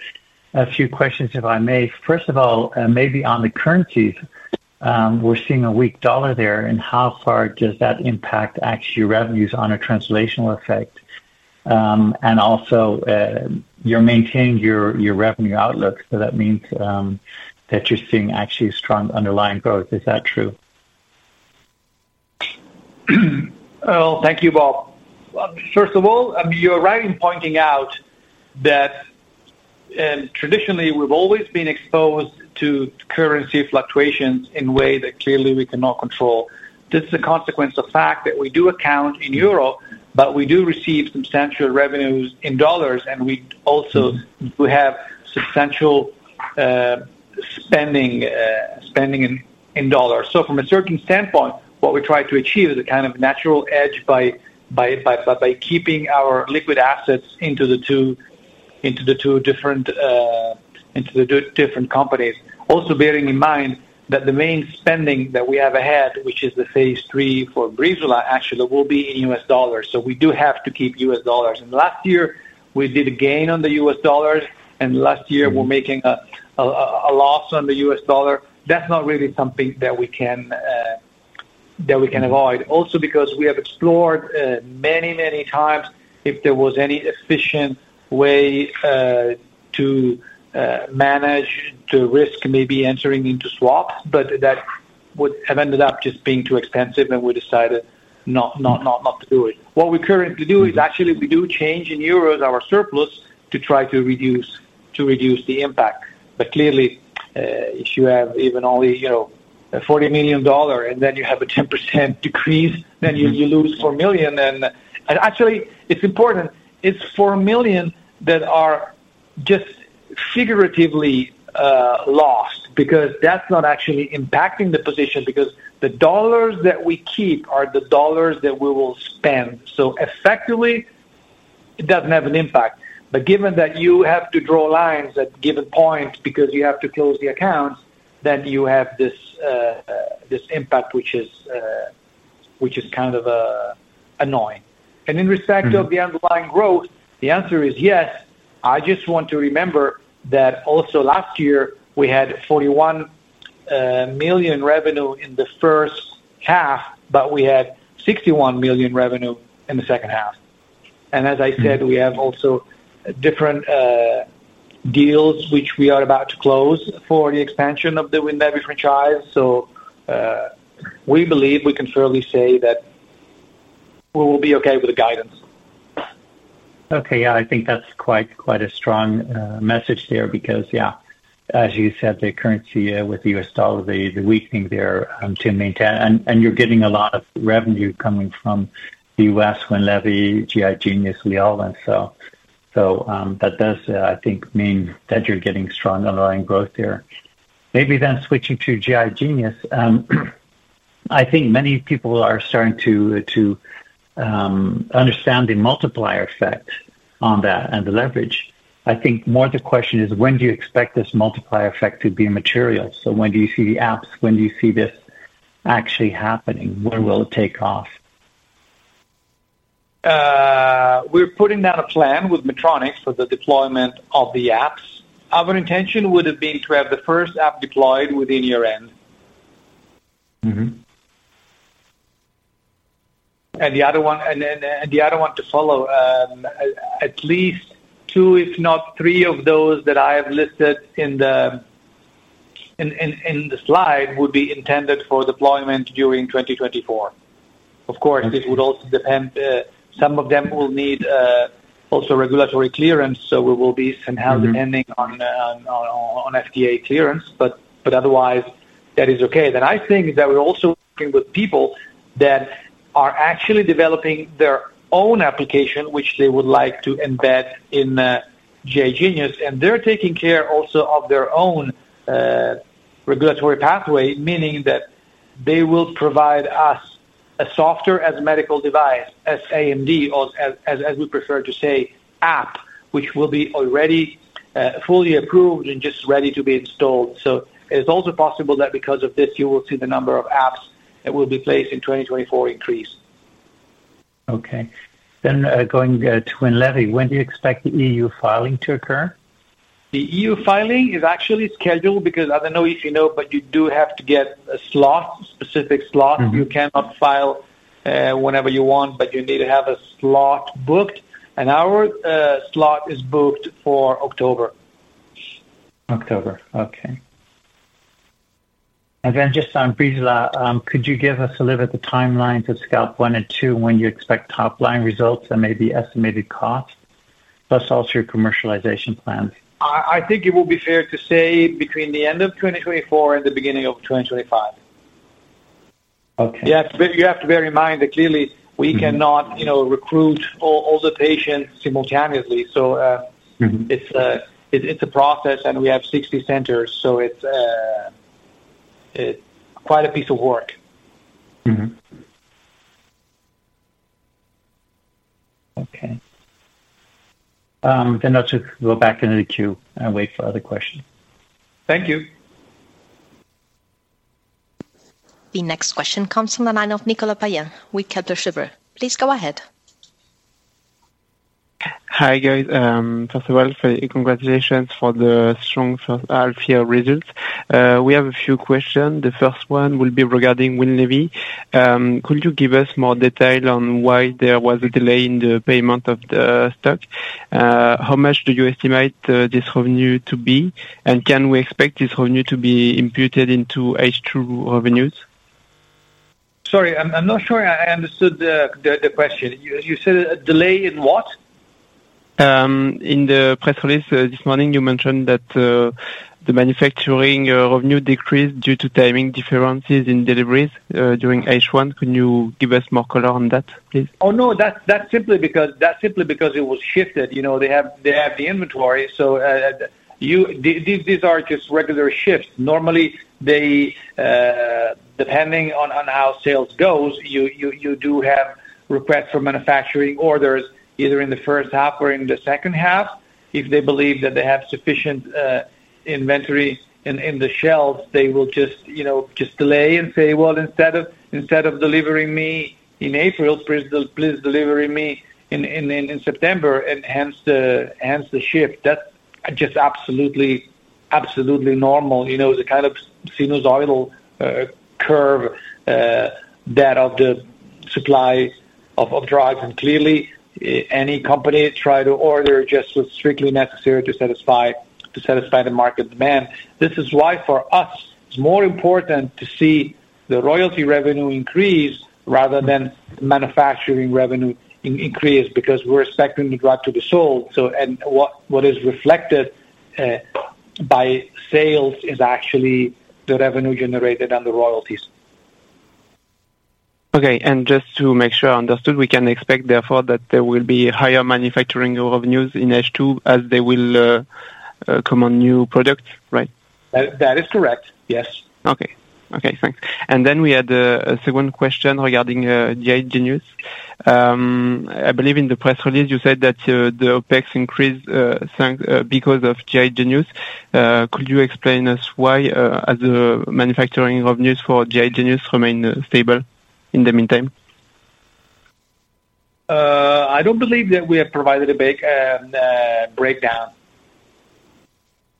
A few questions, if I may. First of all, maybe on the currencies. We're seeing a weak US dollar there. How far does that impact actually revenues on a translational effect? Also, you're maintaining your revenue outlook. That means that you're seeing actually strong underlying growth. Is that true? Well, thank you, Bob. First of all, I mean, you're right in pointing out that traditionally, we've always been exposed to currency fluctuations in way that clearly we cannot control. This is a consequence of fact that we do account in EURO, but we do receive substantial revenues in dollars, and we also, we have substantial spending in dollars. From a certain standpoint, what we try to achieve is a kind of natural edge by keeping our liquid assets into the two different companies. Also bearing in mind that the main spending that we have ahead, which is the phase III for Breezula, actually will be in US dollars, so we do have to keep US dollars. Last year we did a gain on the US dollars, and last year we're making a loss on the US dollar. That's not really something that we can that we can avoid. Because we have explored many, many times if there was any efficient way to manage the risk, maybe entering into swap, but that would have ended up just being too expensive, and we decided not to do it. What we currently do is actually we do change in EURO, our surplus, to try to reduce the impact. Clearly, if you have even only, you know, $40 million and then you have a 10% decrease, then you lose $4 million. Actually, it's important, it's $4 million that are just figuratively lost, because that's not actually impacting the position, because the dollars that we keep are the dollars that we will spend. Effectively, it doesn't have an impact. Given that you have to draw lines at given point because you have to close the accounts, then you have this impact, which is kind of annoying. In respect of the underlying growth, the answer is yes. I just want to remember that also last year, we had $41 million revenue in the first half, but we had $61 million revenue in the second half. As I said, we have also different deals which we are about to close for the expansion of the Winlevi franchise. We believe we can fairly say that we will be okay with the guidance. Okay, yeah, I think that's quite a strong message there, because, yeah, as you said, the currency with the US dollar, the weakening there, to maintain. You're getting a lot of revenue coming from the U.S., Winlevi, GI Genius, Eleview. That does, I think, mean that you're getting strong underlying growth there. Switching to GI Genius, I think many people are starting to understand the multiplier effect on that and the leverage. I think more of the question is, when do you expect this multiplier effect to be material? When do you see the apps? When do you see this actually happening? Where will it take off? We're putting down a plan with Medtronic for the deployment of the apps. Our intention would have been to have the first app deployed within year-end. Mm-hmm. The other one to follow, at least two, if not three, of those that I have listed in the slide, would be intended for deployment during 2024. Of course, it would also depend, some of them will need also regulatory clearance, so we will be somehow depending on FDA clearance. Otherwise, that is okay. I think that we're also working with people that are actually developing their own application, which they would like to embed in GI Genius, and they're taking care also of their own regulatory pathway. Meaning that they will provide us a software as a medical device, SaMD, or as we prefer to say, app, which will be already fully approved and just ready to be installed. It's also possible that because of this, you will see the number of apps that will be placed in 2024 increase. Going to Winlevi, when do you expect the EU filing to occur? The EU filing is actually scheduled because I don't know if you know, but you do have to get a slot, specific slot. Mm-hmm. You cannot file, whenever you want, but you need to have a slot booked, and our slot is booked for October. October. Okay. Just on Breezula, could you give us a little bit the timeline to scalp one and two, when you expect top-line results and maybe estimated costs, plus also your commercialization plans? I think it would be fair to say between the end of 2024 and the beginning of 2025. Okay. Yeah. You have to bear in mind that clearly we cannot, you know, recruit all the patients simultaneously. Mm-hmm. It's a process, and we have 60 centers, so it's quite a piece of work. Mm-hmm. Okay. Let's go back into the queue and wait for other questions. Thank you. The next question comes from the line of Nicolas Payen with Kepler Cheuvreux. Please go ahead. Hi, guys. First of all, congratulations for the strong first half-year results. We have a few questions. The first one will be regarding Winlevi. Could you give us more detail on why there was a delay in the payment of the stock? How much do you estimate this revenue to be? Can we expect this revenue to be imputed into H2 revenues? Sorry, I'm not sure I understood the question. You said a delay in what? In the press release, this morning you mentioned that the manufacturing revenue decreased due to timing differences in deliveries during H1. Can you give us more color on that, please? No. That's simply because it was shifted. You know, they have the inventory, so these are just regular shifts. Normally, they, depending on how sales goes, you do have requests for manufacturing orders, either in the first half or in the second half. If they believe that they have sufficient inventory in the shelves, they will just, you know, just delay and say, "Well, instead of delivering me in April, please deliver me in September," and hence the shift. That's just absolutely normal. You know, the kind of sinusoidal curve that of the supply of drugs, and clearly, any company try to order just strictly necessary to satisfy the market demand. This is why for us, it's more important to see the royalty revenue increase rather than manufacturing revenue increase, because we're expecting the drug to be sold. What is reflected by sales is actually the revenue generated and the royalties. Okay. Just to make sure I understood, we can expect, therefore, that there will be higher manufacturing revenues in H2 as they will come on new products, right? That is correct. Yes. Okay, thanks. We had a second question regarding GI Genius. I believe in the press release you said that the OPEX increased, because of GI Genius. Could you explain us why, as the manufacturing revenues for GI Genius remain stable in the meantime? I don't believe that we have provided a big breakdown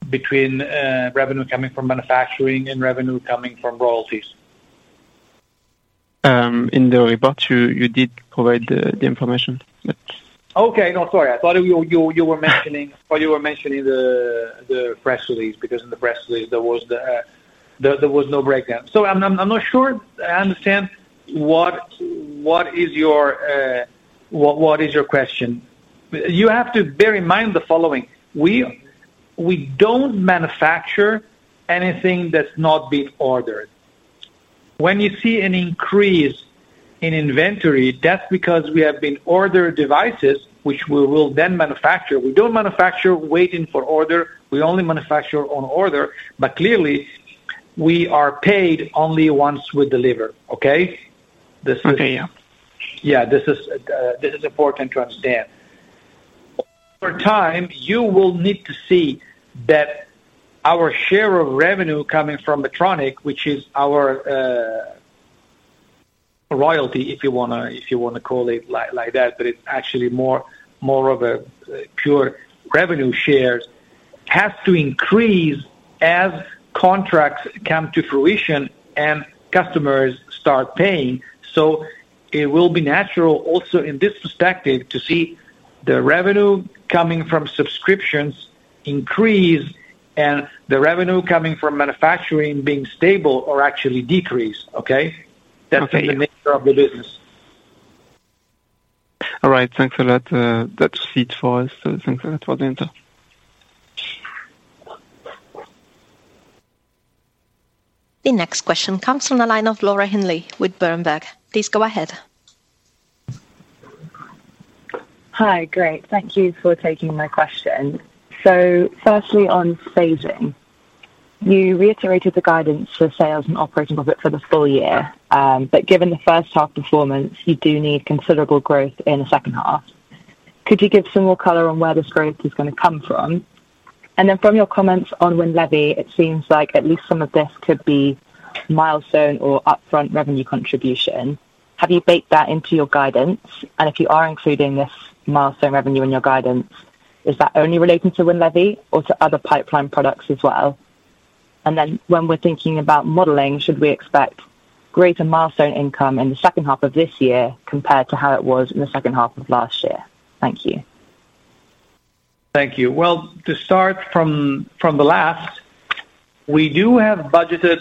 between revenue coming from manufacturing and revenue coming from royalties. In the report, you did provide the information. Okay. No, sorry. I thought you were mentioning, or you were mentioning the press release, because in the press release, there was no breakdown. I'm not sure I understand what is your question? You have to bear in mind the following: we don't manufacture anything that's not been ordered. When you see an increase in inventory, that's because we have been ordered devices, which we will then manufacture. We don't manufacture waiting for order, we only manufacture on order, but clearly, we are paid only once we deliver. Okay? Okay, yeah. Yeah, this is, this is important to understand. Over time, you will need to see that our share of revenue coming from Medtronic, which is our royalty, if you wanna call it like that, but it's actually more of a pure revenue shares, has to increase as contracts come to fruition and customers start paying. It will be natural also in this perspective, to see the revenue coming from subscriptions increase and the revenue coming from manufacturing being stable or actually decreased. Okay? Okay. That's the nature of the business. All right. Thanks a lot, that's it for us. Thanks a lot for the info. The next question comes from the line of Laura Hindley with Berenberg. Please go ahead. Hi. Great, thank you for taking my question. Firstly, on phasing. You reiterated the guidance for sales and operating profit for the full year. Given the first half performance, you do need considerable growth in the second half. Could you give some more color on where this growth is gonna come from? From your comments on Winlevi, it seems like at least some of this could be milestone or upfront revenue contribution. Have you baked that into your guidance? If you are including this milestone revenue in your guidance, is that only relating to Winlevi or to other pipeline products as well? When we're thinking about modeling, should we expect greater milestone income in the second half of this year compared to how it was in the second half of last year? Thank you. Thank you. Well, to start from the last, we do have budgeted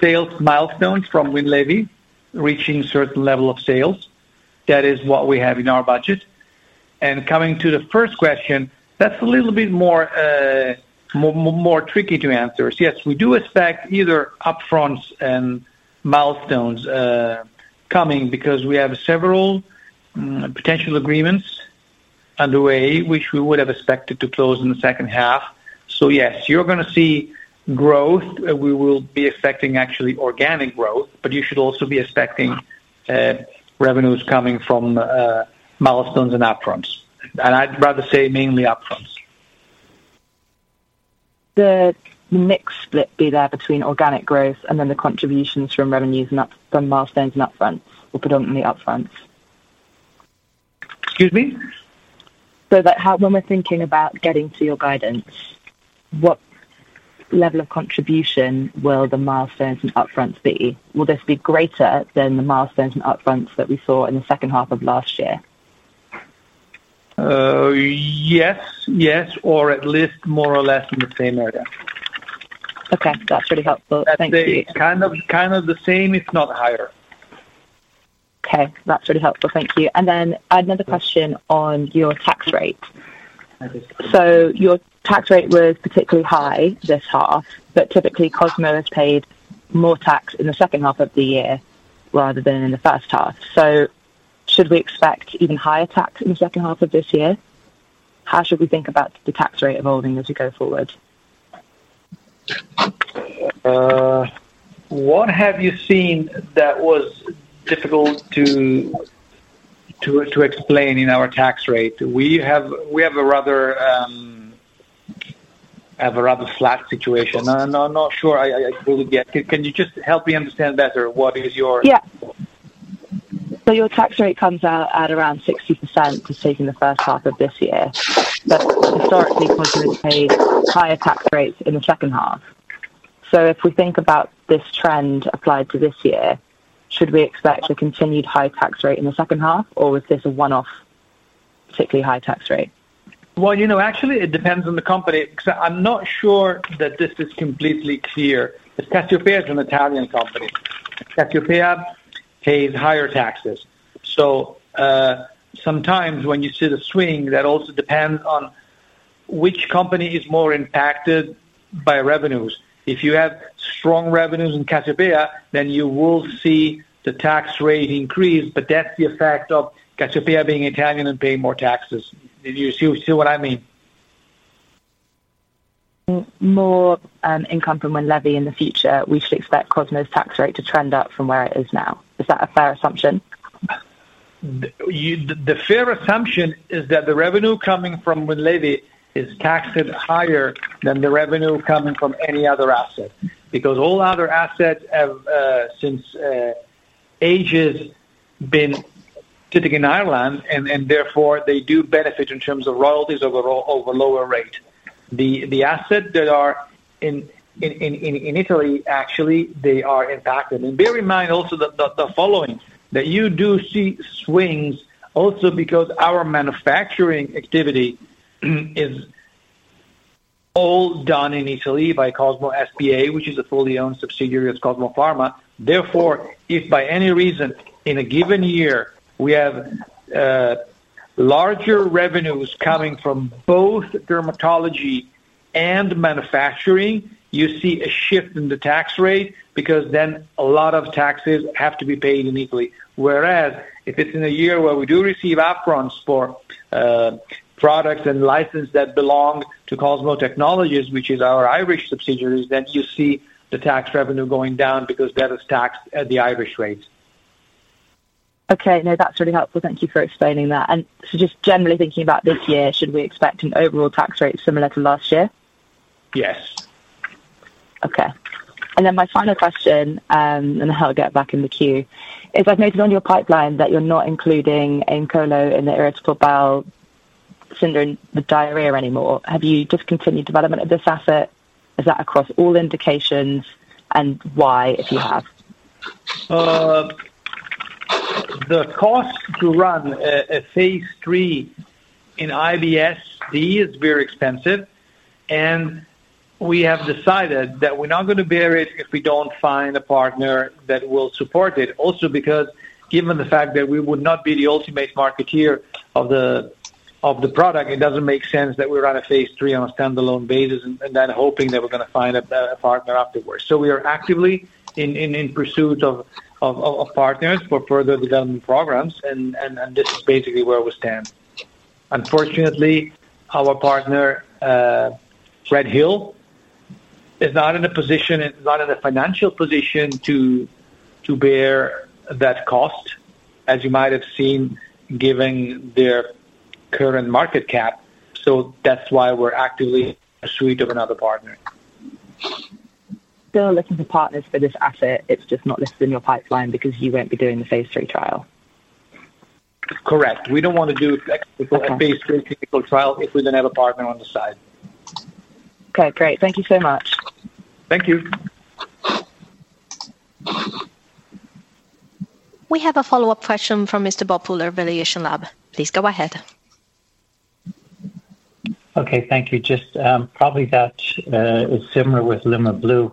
sales milestones from Winlevi, reaching a certain level of sales. That is what we have in our budget. Coming to the first question, that's a little bit more tricky to answer. Yes, we do expect either upfronts and milestones coming because we have several potential agreements underway, which we would have expected to close in the second half. Yes, you're gonna see growth. We will be expecting actually organic growth, but you should also be expecting revenues coming from milestones and upfronts. I'd rather say mainly upfronts. The mix split be there between organic growth and then the contributions from revenues, not from milestones and upfronts, or predominantly upfronts. Excuse me? When we're thinking about getting to your guidance, what level of contribution will the milestones and upfronts be? Will this be greater than the milestones and upfronts that we saw in the second half of last year? Yes. Yes, or at least more or less in the same order. Okay, that's really helpful. Thank you. Kind of the same, if not higher. Okay, that's really helpful. Thank you. Another question on your tax rate. Your tax rate was particularly high this half, but typically, Cosmo has paid more tax in the second half of the year rather than in the first half. Should we expect even higher tax in the second half of this year? How should we think about the tax rate evolving as we go forward? What have you seen that was difficult to explain in our tax rate? We have a rather flat situation, and I'm not sure I fully get. Can you just help me understand better what is your... Yeah. Your tax rate comes out at around 60% just taking the first half of this year. Historically, Cosmo paid higher tax rates in the second half. If we think about this trend applied to this year, should we expect a continued high tax rate in the second half, or is this a one-off, particularly high tax rate? Well, you know, actually, it depends on the company. I'm not sure that this is completely clear. Cassiopea is an Italian company. Cassiopea pays higher taxes, so sometimes when you see the swing, that also depends on which company is more impacted by revenues. If you have strong revenues in Cassiopea, then you will see the tax rate increase, but that's the effect of Cassiopea being Italian and paying more taxes. Do you see what I mean? More income from Winlevi in the future, we should expect Cosmo's tax rate to trend up from where it is now. Is that a fair assumption? The fair assumption is that the revenue coming from Winlevi is taxed higher than the revenue coming from any other asset. Because all other assets have, since ages been sitting in Ireland, and therefore, they do benefit in terms of royalties over a lower rate. The assets that are in Italy, actually, they are impacted. Bear in mind also that the following, that you do see swings also because our manufacturing activity is all done in Italy by Cosmo S.p.A., which is a fully owned subsidiary of Cosmo Pharma. If by any reason, in a given year, we have larger revenues coming from both dermatology and manufacturing, you see a shift in the tax rate, because then a lot of taxes have to be paid in Italy. If it's in a year where we do receive up-fronts for products and license that belong to Cosmo Technologies, which is our Irish subsidiaries, then you see the tax revenue going down because that is taxed at the Irish rates. Okay. No, that's really helpful. Thank you for explaining that. Just generally thinking about this year, should we expect an overall tax rate similar to last year? Yes. Okay. My final question, I'll get back in the queue, is I've noted on your pipeline that you're not including Aemcolo in the Irritable Bowel Syndrome, the diarrhea anymore. Have you discontinued development of this asset? Is that across all indications, and why, if you have? The cost to run a phase III in IBS-D is very expensive, we have decided that we're not gonna bear it if we don't find a partner that will support it. Because given the fact that we would not be the ultimate marketeer of the product, it doesn't make sense that we run a phase III on a standalone basis and then hoping that we're gonna find a better partner afterwards. We are actively in pursuit of partners for further development programs, and this is basically where we stand. Unfortunately, our partner, RedHill Biopharma, is not in a position, is not in a financial position to bear that cost, as you might have seen, given their current market cap. That's why we're actively in pursuit of another partner. Still looking for partners for this asset. It's just not listed in your pipeline because you won't be doing the phase III trial. Correct. We don't want to do a phase III clinical trial if we don't have a partner on the side. Okay, great. Thank you so much. Thank you. We have a follow-up question from Mr. Bob Pooler, valuationLAB. Please go ahead. Okay, thank you. Just, probably that, is similar with Lumeblue,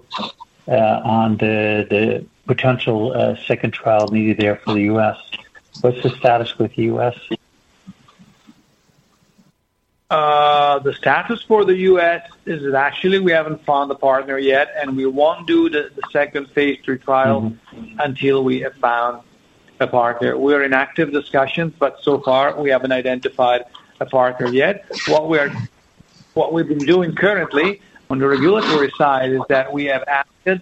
on the potential, second trial needed there for the U.S. What's the status with the U.S.? The status for the U.S. is that actually, we haven't found a partner yet, we won't do the second phase III trial... Mm-hmm.... until we have found a partner. We are in active discussions, but so far, we haven't identified a partner yet. What we've been doing currently on the regulatory side is that we have asked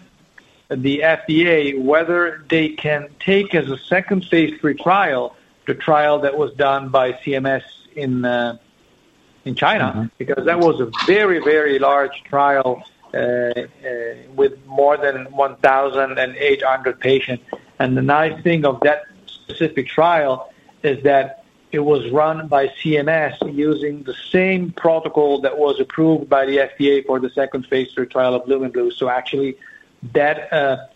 the FDA whether they can take as a second phase III trial, the trial that was done by CMS in China. Mm-hmm. That was a very, very large trial with more than 1,800 patients. The nice thing of that specific trial is that it was run by CMS using the same protocol that was approved by the FDA for the second phase III trial of Lumeblue. Actually, that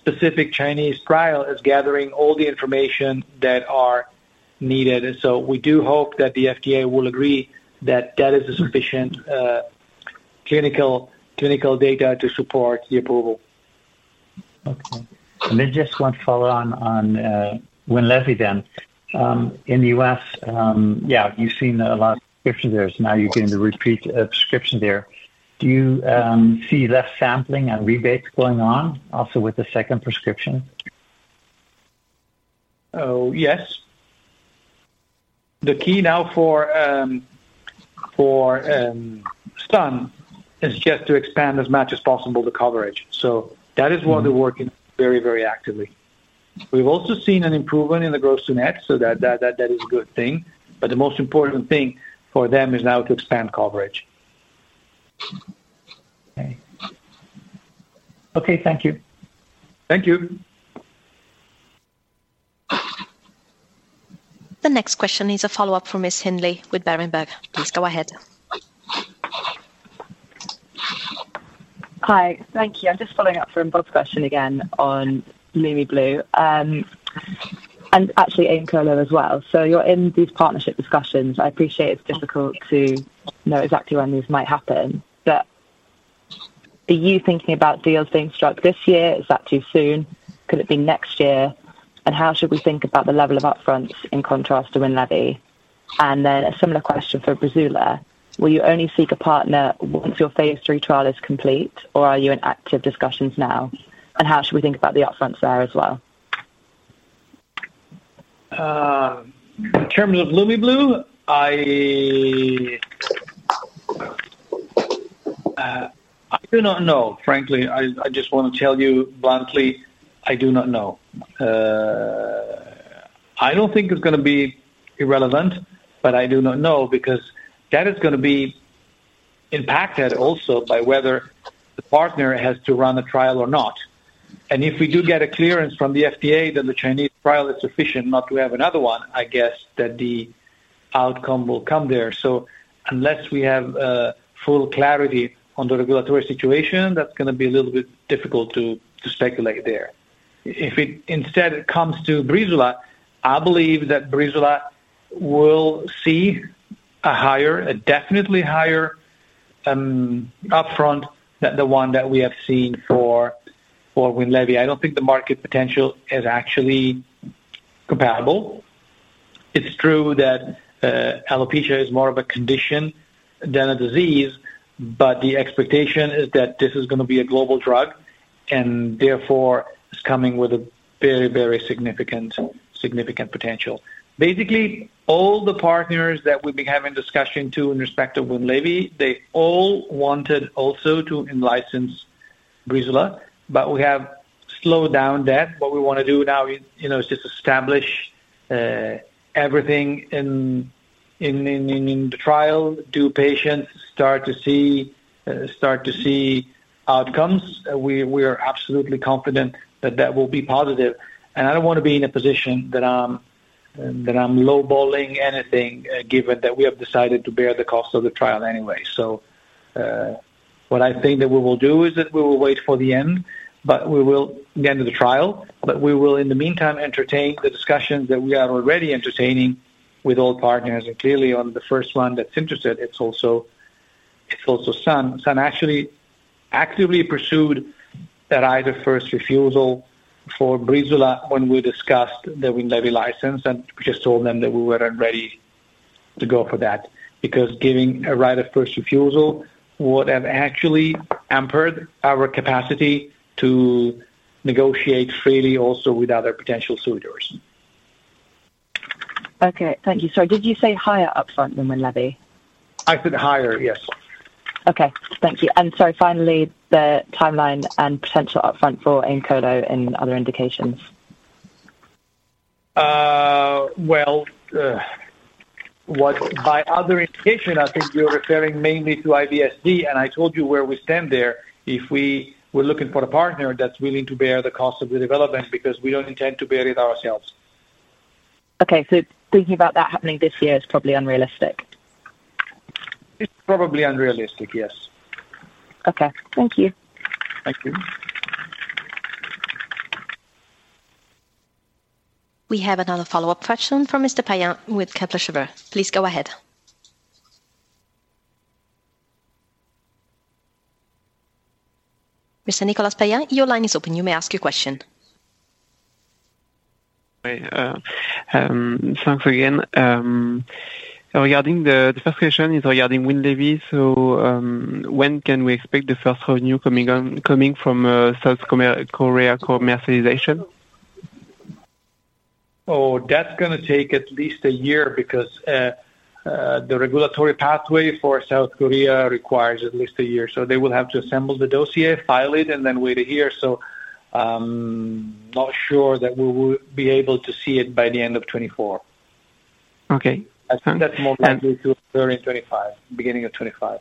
specific Chinese trial is gathering all the information that are needed. We do hope that the FDA will agree that that is a sufficient clinical data to support the approval. Okay. Just one follow on Winlevi then. In the U.S., you've seen a lot of prescriptions there, so now you're getting the repeat prescription there. Do you see less sampling and rebates going on also with the second prescription? Oh, yes. The key now for Sun is just to expand as much as possible the coverage. Mm-hmm. We're working very, very actively. We've also seen an improvement in the gross-to-net, that is a good thing. The most important thing for them is now to expand coverage. Okay. Okay, thank you. Thank you. The next question is a follow-up from Ms. Hindley with Berenberg. Please go ahead. Hi, thank you. I'm just following up from Bob's question again on Lumeblue, and actually Aemcolo as well. You're in these partnership discussions. I appreciate it's difficult to know exactly when these might happen, but are you thinking about deals being struck this year? Is that too soon? Could it be next year? How should we think about the level of upfronts in contrast to Winlevi? A similar question for Breezula. Will you only seek a partner once your phase III trial is complete, or are you in active discussions now? How should we think about the upfronts there as well? In terms of Lumeblue, I do not know, frankly, I just want to tell you bluntly, I do not know. I don't think it's going to be irrelevant, but I do not know, because that is going to be impacted also by whether the partner has to run a trial or not. If we do get a clearance from the FDA, then the Chinese trial is sufficient not to have another one, I guess that the outcome will come there. Unless we have full clarity on the regulatory situation, that's going to be a little bit difficult to speculate there. If it instead comes to Breezula, I believe that Breezula will see a higher, a definitely higher, upfront than the one that we have seen for Winlevi. I don't think the market potential is actually compatible. It's true that alopecia is more of a condition than a disease. The expectation is that this is going to be a global drug, therefore it's coming with a very, very significant potential. Basically, all the partners that we've been having discussion to in respect of Winlevi, they all wanted also to in-license Breezula. We have slowed down that. What we want to do now is, you know, is just establish everything in the trial. Do patients start to see outcomes? We are absolutely confident that that will be positive. I don't want to be in a position that I'm lowballing anything given that we have decided to bear the cost of the trial anyway. What I think that we will do is that we will wait for the end, but we will get into the trial, but we will, in the meantime, entertain the discussions that we are already entertaining with all partners. Clearly, on the first one that's interested, it's also Sun. Sun actually actively pursued that right of first refusal for Breezula when we discussed the Winlevi license, and we just told them that we weren't ready to go for that. Giving a right of first refusal would have actually hampered our capacity to negotiate freely also with other potential suitors. Okay, thank you. Sorry, did you say higher upfront than Winlevi? I said higher, yes. Okay, thank you. Finally, the timeline and potential upfront for Aemcolo and other indications. Well, by other indication, I think you're referring mainly to IBS-D, and I told you where we stand there. If we were looking for a partner that's willing to bear the cost of the development, because we don't intend to bear it ourselves. Okay. Thinking about that happening this year is probably unrealistic? It's probably unrealistic, yes. Okay. Thank you. Thank you. We have another follow-up question from Mr. Payen with Kepler Cheuvreux. Please go ahead. Mr. Nicolas Payen, your line is open. You may ask your question. Hi, thanks again. Regarding the first question is regarding Winlevi. When can we expect the first revenue coming on, coming from Korea commercialization? Oh, that's gonna take at least a year because the regulatory pathway for South Korea requires at least a year. They will have to assemble the dossier, file it, and then wait a year, not sure that we will be able to see it by the end of 2024. Okay. I think that's more likely to 2025, beginning of 2025.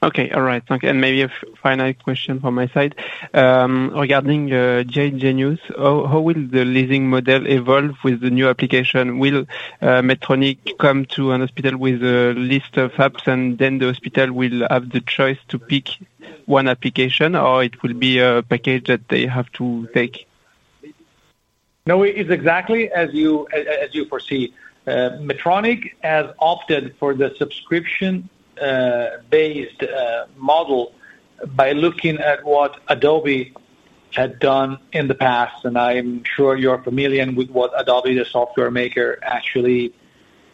Okay. All right. Thank you. Maybe a final question from my side. Regarding GI Genius, how will the leasing model evolve with the new application? Will Medtronic come to a hospital with a list of apps, and then the hospital will have the choice to pick one application, or it will be a package that they have to take? No, it's exactly as you foresee. Medtronic has opted for the subscription based model by looking at what Adobe had done in the past, and I'm sure you're familiar with what Adobe, the software maker, actually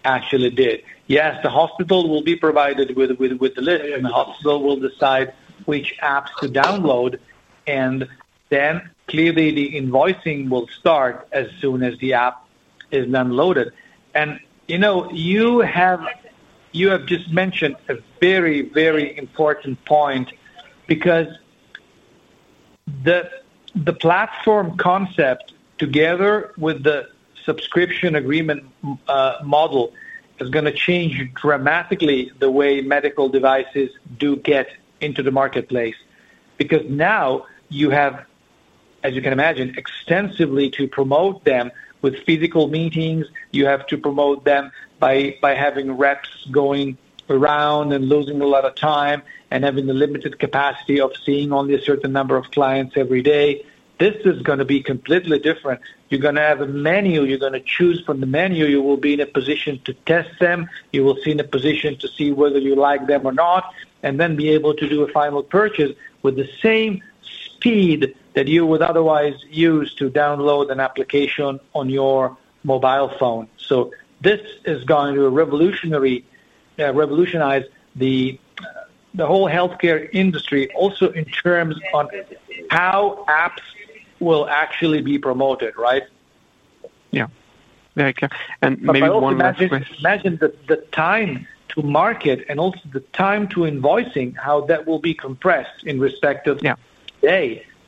did. Yes, the hospital will be provided with the list, the hospital will decide which apps to download, clearly the invoicing will start as soon as the app is downloaded. You know, you have just mentioned a very important point because the platform concept, together with the subscription agreement model, is gonna change dramatically the way medical devices do get into the marketplace. Because now you have, as you can imagine, extensively to promote them with physical meetings, you have to promote them by having reps going around and losing a lot of time and having the limited capacity of seeing only a certain number of clients every day. This is gonna be completely different. You're gonna have a menu, you're gonna choose from the menu. You will be in a position to test them. You will be in a position to see whether you like them or not, and then be able to do a final purchase with the same speed that you would otherwise use to download an application on your mobile phone. This is going to revolutionize the whole healthcare industry, also in terms on how apps will actually be promoted, right? Yeah. Very clear. Maybe one last question- Imagine the time to market and also the time to invoicing, how that will be compressed. Yeah.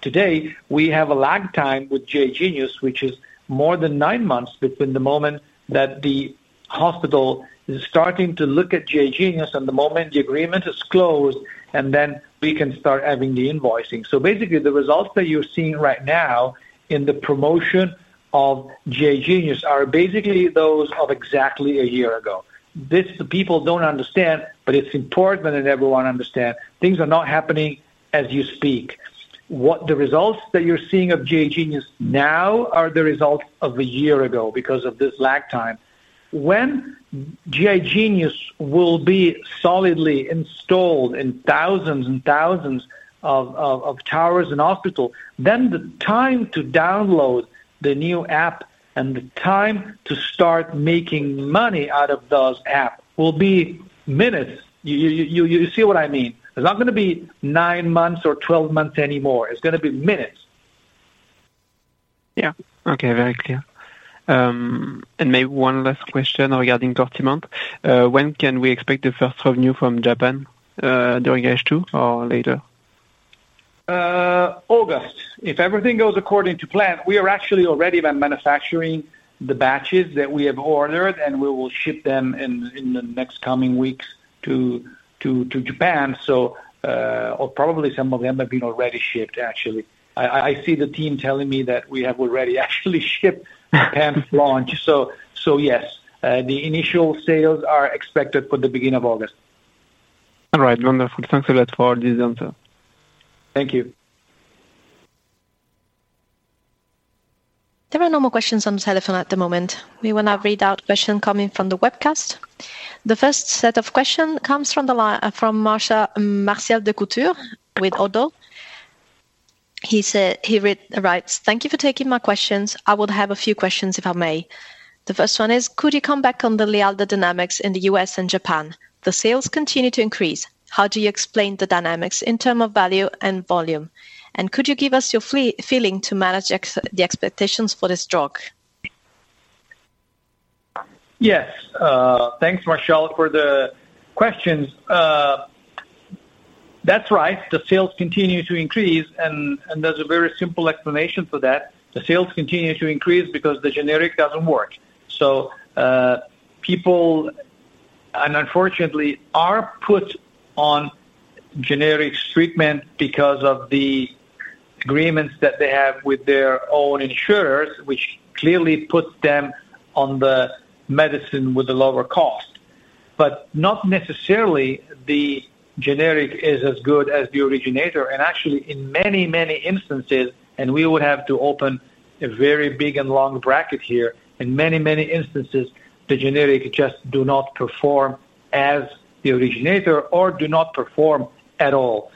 Today, we have a lag time with GI Genius, which is more than nine months between the moment that the hospital is starting to look at GI Genius and the moment the agreement is closed, and then we can start having the invoicing. Basically, the results that you're seeing right now in the promotion of GI Genius are basically those of exactly a year ago. This, the people don't understand, but it's important that everyone understand. Things are not happening as you speak. What the results that you're seeing of GI Genius now are the result of a year ago because of this lag time. When GI Genius will be solidly installed in thousands and thousands of towers and hospital, then the time to download the new app and the time to start making money out of those app will be minutes. You see what I mean? It's not gonna be nine months or 12 months anymore. It's gonna be minutes. Yeah. Okay, very clear. Maybe one last question regarding Cortiment. When can we expect the first revenue from Japan during H2 or later? August, if everything goes according to plan. We are actually already manufacturing the batches that we have ordered, and we will ship them in the next coming weeks to Japan. Or probably some of them have been already shipped, actually. I see the team telling me that we have already actually shipped Japan's launch. Yes, the initial sales are expected for the beginning of August. All right. Wonderful. Thanks a lot for this answer. Thank you. There are no more questions on the telephone at the moment. We will now read out question coming from the webcast. The first set of question comes from Martial Descoutures with ODDO BHF. He writes: "Thank you for taking my questions. I would have a few questions, if I may. The first one is, could you come back on the Lialda dynamics in the U.S. and Japan? The sales continue to increase. How do you explain the dynamics in term of value and volume? Could you give us your feeling to manage the expectations for this drug? Yes. Thanks, Martial, for the questions. That's right. The sales continue to increase, and there's a very simple explanation for that. The sales continue to increase because the generic doesn't work. People, and unfortunately, are put on generics treatment because of the agreements that they have with their own insurers, which clearly puts them on the medicine with a lower cost. Not necessarily the generic is as good as the originator, and actually in many, many instances, and we would have to open a very big and long bracket here, in many, many instances, the generic just do not perform as the originator or do not perform at all.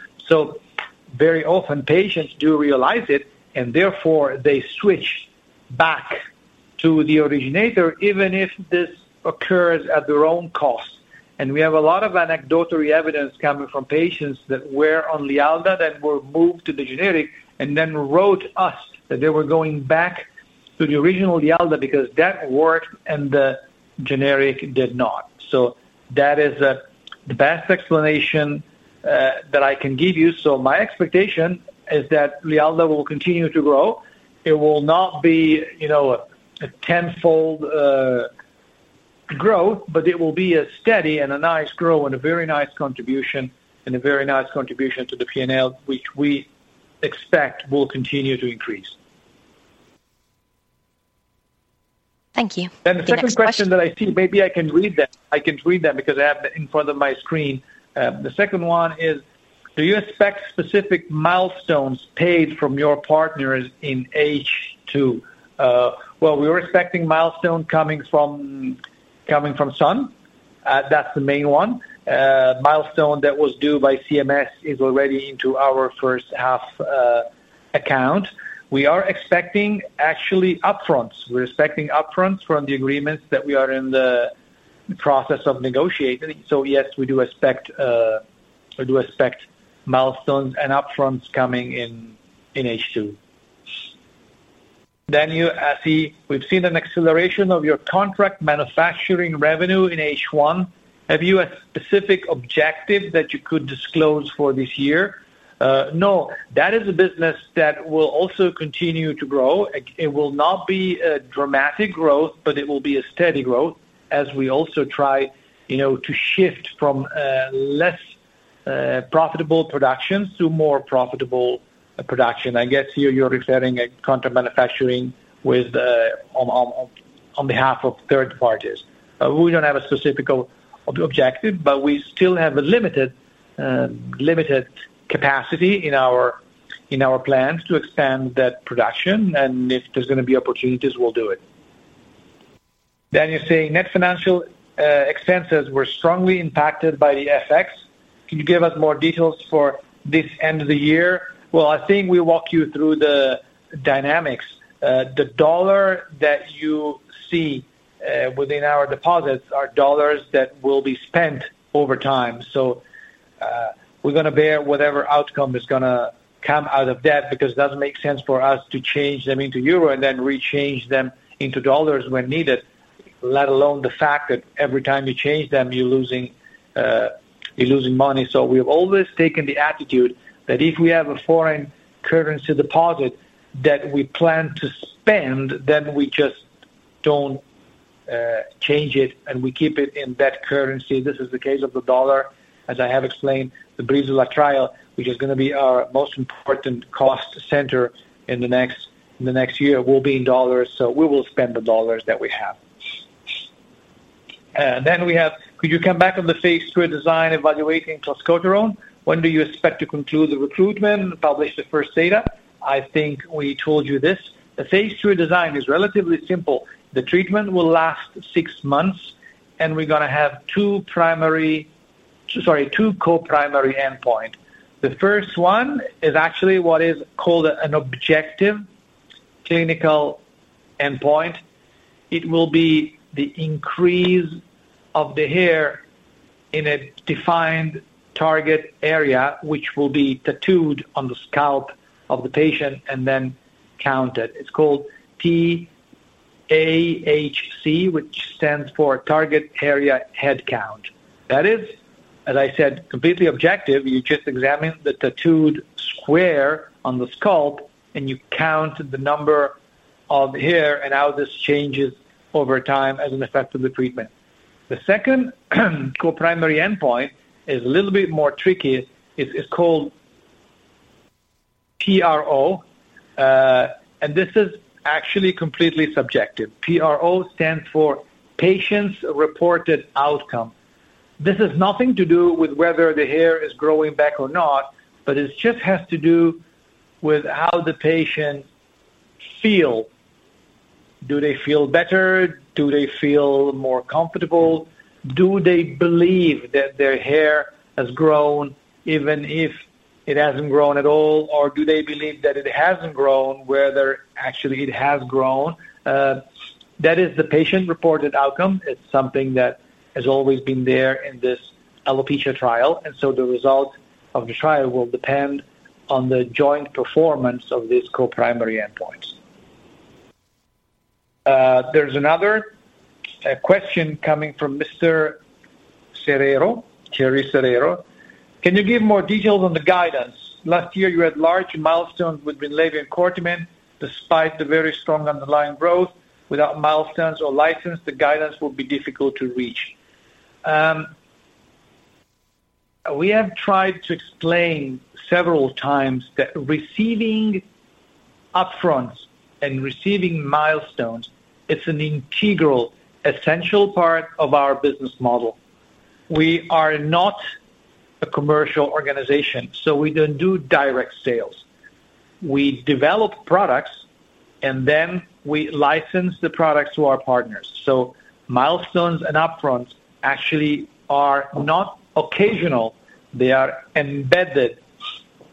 Very often patients do realize it, and therefore they switch back to the originator, even if this occurs at their own cost. We have a lot of anecdotal evidence coming from patients that were on Lialda, that were moved to the generic, and then wrote us that they were going back to the original Lialda because that worked and the generic did not. That is the best explanation that I can give you. My expectation is that Lialda will continue to grow. It will not be, you know, a tenfold growth, but it will be a steady and a nice growth and a very nice contribution to the P&L, which we expect will continue to increase. Thank you. The next question. The second question that I see, maybe I can read that. I can read that because I have it in front of my screen. The second one is: Do you expect specific milestones paid from your partners in H2? Well, we're expecting milestone coming from Sun. Milestone that was due by CMS is already into our first half account. We are expecting actually upfronts. We're expecting upfronts from the agreements that we are in the process of negotiating. Yes, we do expect milestones and upfronts coming in H2. You ask me: We've seen an acceleration of your contract manufacturing revenue in H1. Have you a specific objective that you could disclose for this year? No. That is a business that will also continue to grow. It will not be a dramatic growth, but it will be a steady growth as we also try, you know, to shift from less profitable productions to more profitable production. I guess here you're referring at contract manufacturing with on behalf of third parties. We don't have a specific objective, but we still have a limited capacity in our plans to expand that production, and if there's gonna be opportunities, we'll do it. You say: Net financial expenses were strongly impacted by the FX. Can you give us more details for this end of the year? Well, I think we walk you through the dynamics. The dollar that you see within our deposits are dollars that will be spent over time. We're gonna bear whatever outcome is gonna come out of that, because it doesn't make sense for us to change them into EURO and then re-change them into dollars when needed, let alone the fact that every time you change them, you're losing, you're losing money. We've always taken the attitude that if we have a foreign currency deposit that we plan to spend, we just don't change it, and we keep it in that currency. This is the case of the dollar. As I have explained, the Breezula clinical, which is gonna be our most important cost center in the next year, will be in dollars, so we will spend the dollars that we have. We have, could you come back on the phase II design evaluating clascoterone? When do you expect to conclude the recruitment and publish the first data? I think we told you this. The phase II design is relatively simple. The treatment will last six months, and we're gonna have two primary, sorry, two co-primary endpoint. The first one is actually what is called an objective clinical endpoint. It will be the increase of the hair in a defined target area, which will be tattooed on the scalp of the patient and then counted. It's called TAHC, which stands for Target-Area Hair Count. That is, as I said, completely objective. You just examine the tattooed square on the scalp, and you count the number of hair and how this changes over time as an effect of the treatment. The second, co-primary endpoint is a little bit more tricky. It's called PRO, and this is actually completely subjective. PRO stands for Patient-Reported Outcome. This has nothing to do with whether the hair is growing back or not, but it just has to do with how the patient feel. Do they feel better? Do they feel more comfortable? Do they believe that their hair has grown, even if it hasn't grown at all? Or do they believe that it hasn't grown, whether actually it has grown? That is the patient-reported outcome. It's something that has always been there in this alopecia trial, and so the result of the trial will depend on the joint performance of these co-primary endpoints. There's another question coming from Mr. Serero, Jerry Serero: Can you give more details on the guidance? Last year, you had large milestones with Winlevi and Cortiment. Despite the very strong underlying growth, without milestones or license, the guidance will be difficult to reach. We have tried to explain several times that receiving upfront and receiving milestones, it's an integral, essential part of our business model. We are not a commercial organization. We don't do direct sales. We develop products, and then we license the products to our partners. Milestones and upfronts actually are not occasional, they are embedded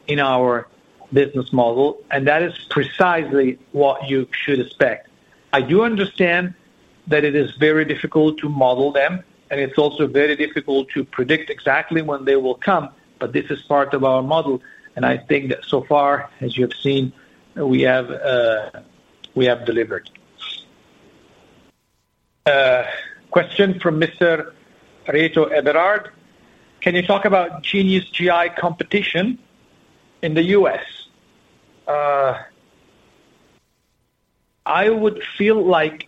in our business model, and that is precisely what you should expect. I do understand that it is very difficult to model them, and it's also very difficult to predict exactly when they will come, but this is part of our model, and I think that so far, as you have seen, we have delivered. Question from Mr. Reto Eberhard: Can you talk about Genius GI competition in the U.S.? I would feel like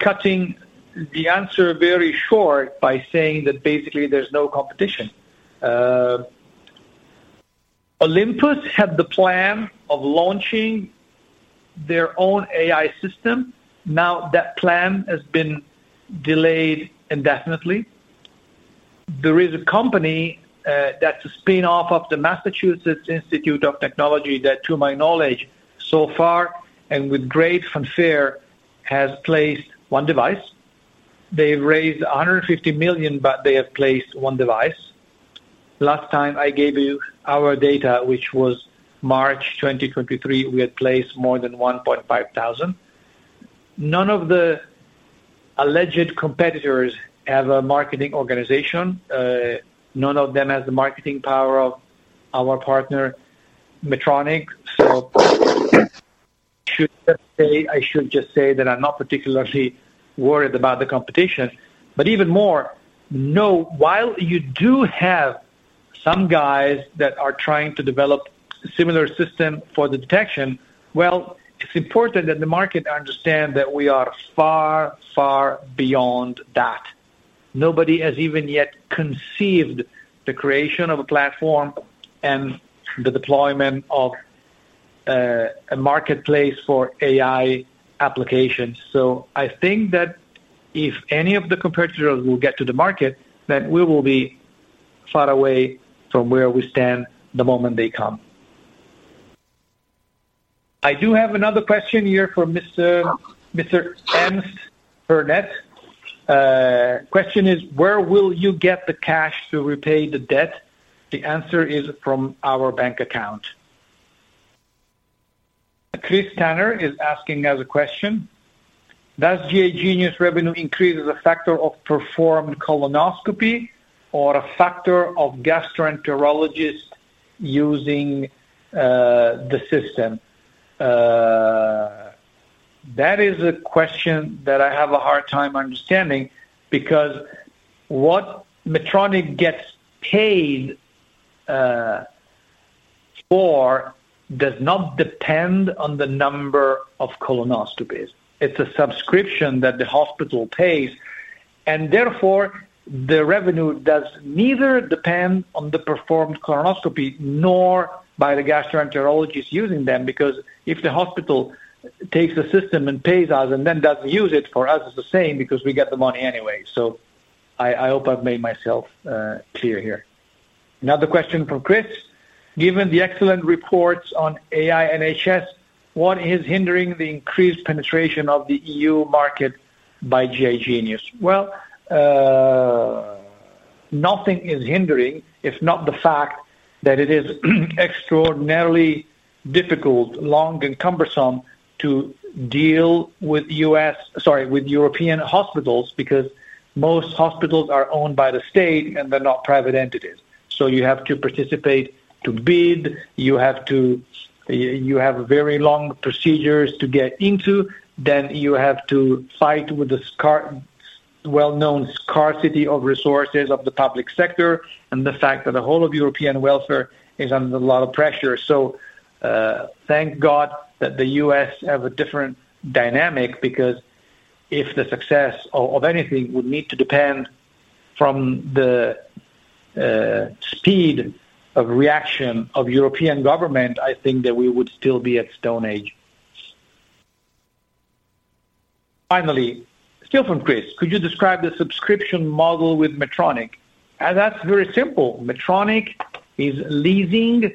cutting the answer very short by saying that basically there's no competition. Olympus had the plan of launching their own AI system. That plan has been delayed indefinitely. There is a company that's a spin-off of the Massachusetts Institute of Technology that, to my knowledge, so far, and with great fanfare, has placed one device. They've raised $150 million, they have placed one device. Last time I gave you our data, which was March 2023, we had placed more than 1,500. None of the alleged competitors have a marketing organization. None of them has the marketing power of our partner, Medtronic. I should just say that I'm not particularly worried about the competition, but even more, know while you do have some guys that are trying to develop a similar system for the detection, well, it's important that the market understand that we are far, far beyond that. Nobody has even yet conceived the creation of a platform and the deployment of a marketplace for AI applications. I think that if any of the competitors will get to the market, then we will be far away from where we stand the moment they come. I do have another question here from Mr. Ernst Burnett. Question is: Where will you get the cash to repay the debt? The answer is from our bank account. Chris Tanner is asking us a question: Does GI Genius revenue increase as a factor of performed colonoscopy or a factor of gastroenterologist using the system? That is a question that I have a hard time understanding, because what Medtronic gets paid for does not depend on the number of colonoscopies. It's a subscription that the hospital pays, and therefore, the revenue does neither depend on the performed colonoscopy nor by the gastroenterologist using them, because if the hospital takes the system and pays us and then doesn't use it, for us, it's the same because we get the money anyway. I hope I've made myself clear here. Another question from Chris: Given the excellent reports on AI and NHS, what is hindering the increased penetration of the EU market by GI Genius? Well, nothing is hindering, if not the fact that it is extraordinarily difficult, long, and cumbersome to deal with U.S., sorry, with European hospitals, because most hospitals are owned by the state, and they're not private entities. You have to participate to bid, you have to. You have very long procedures to get into, then you have to fight with the well-known scarcity of resources of the public sector and the fact that the whole of European welfare is under a lot of pressure. Thank God that the U.S. have a different dynamic, because if the success of anything would need to depend from the speed of reaction of European government, I think that we would still be at Stone Age. Finally, still from Chris: Could you describe the subscription model with Medtronic? That's very simple. Medtronic is leasing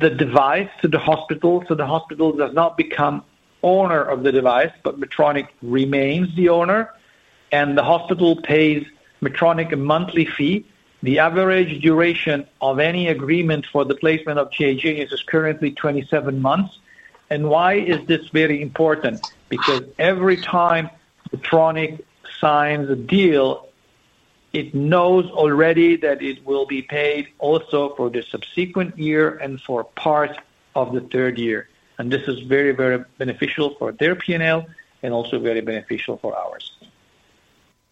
the device to the hospital, so the hospital does not become owner of the device, but Medtronic remains the owner, and the hospital pays Medtronic a monthly fee. The average duration of any agreement for the placement of GI Genius is currently 27 months. Why is this very important? Every time Medtronic signs a deal, it knows already that it will be paid also for the subsequent year and for part of the third year. This is very, very beneficial for their P&L and also very beneficial for ours.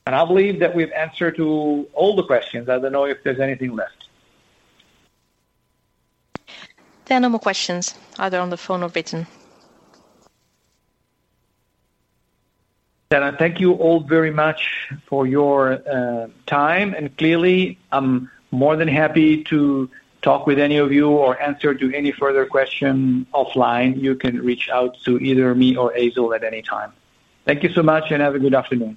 I believe that we've answered to all the questions. I don't know if there's anything left. There are no more questions, either on the phone or written. I thank you all very much for your time. Clearly, I'm more than happy to talk with any of you or answer to any further question offline. You can reach out to either me or Hazel at any time. Thank you so much. Have a good afternoon.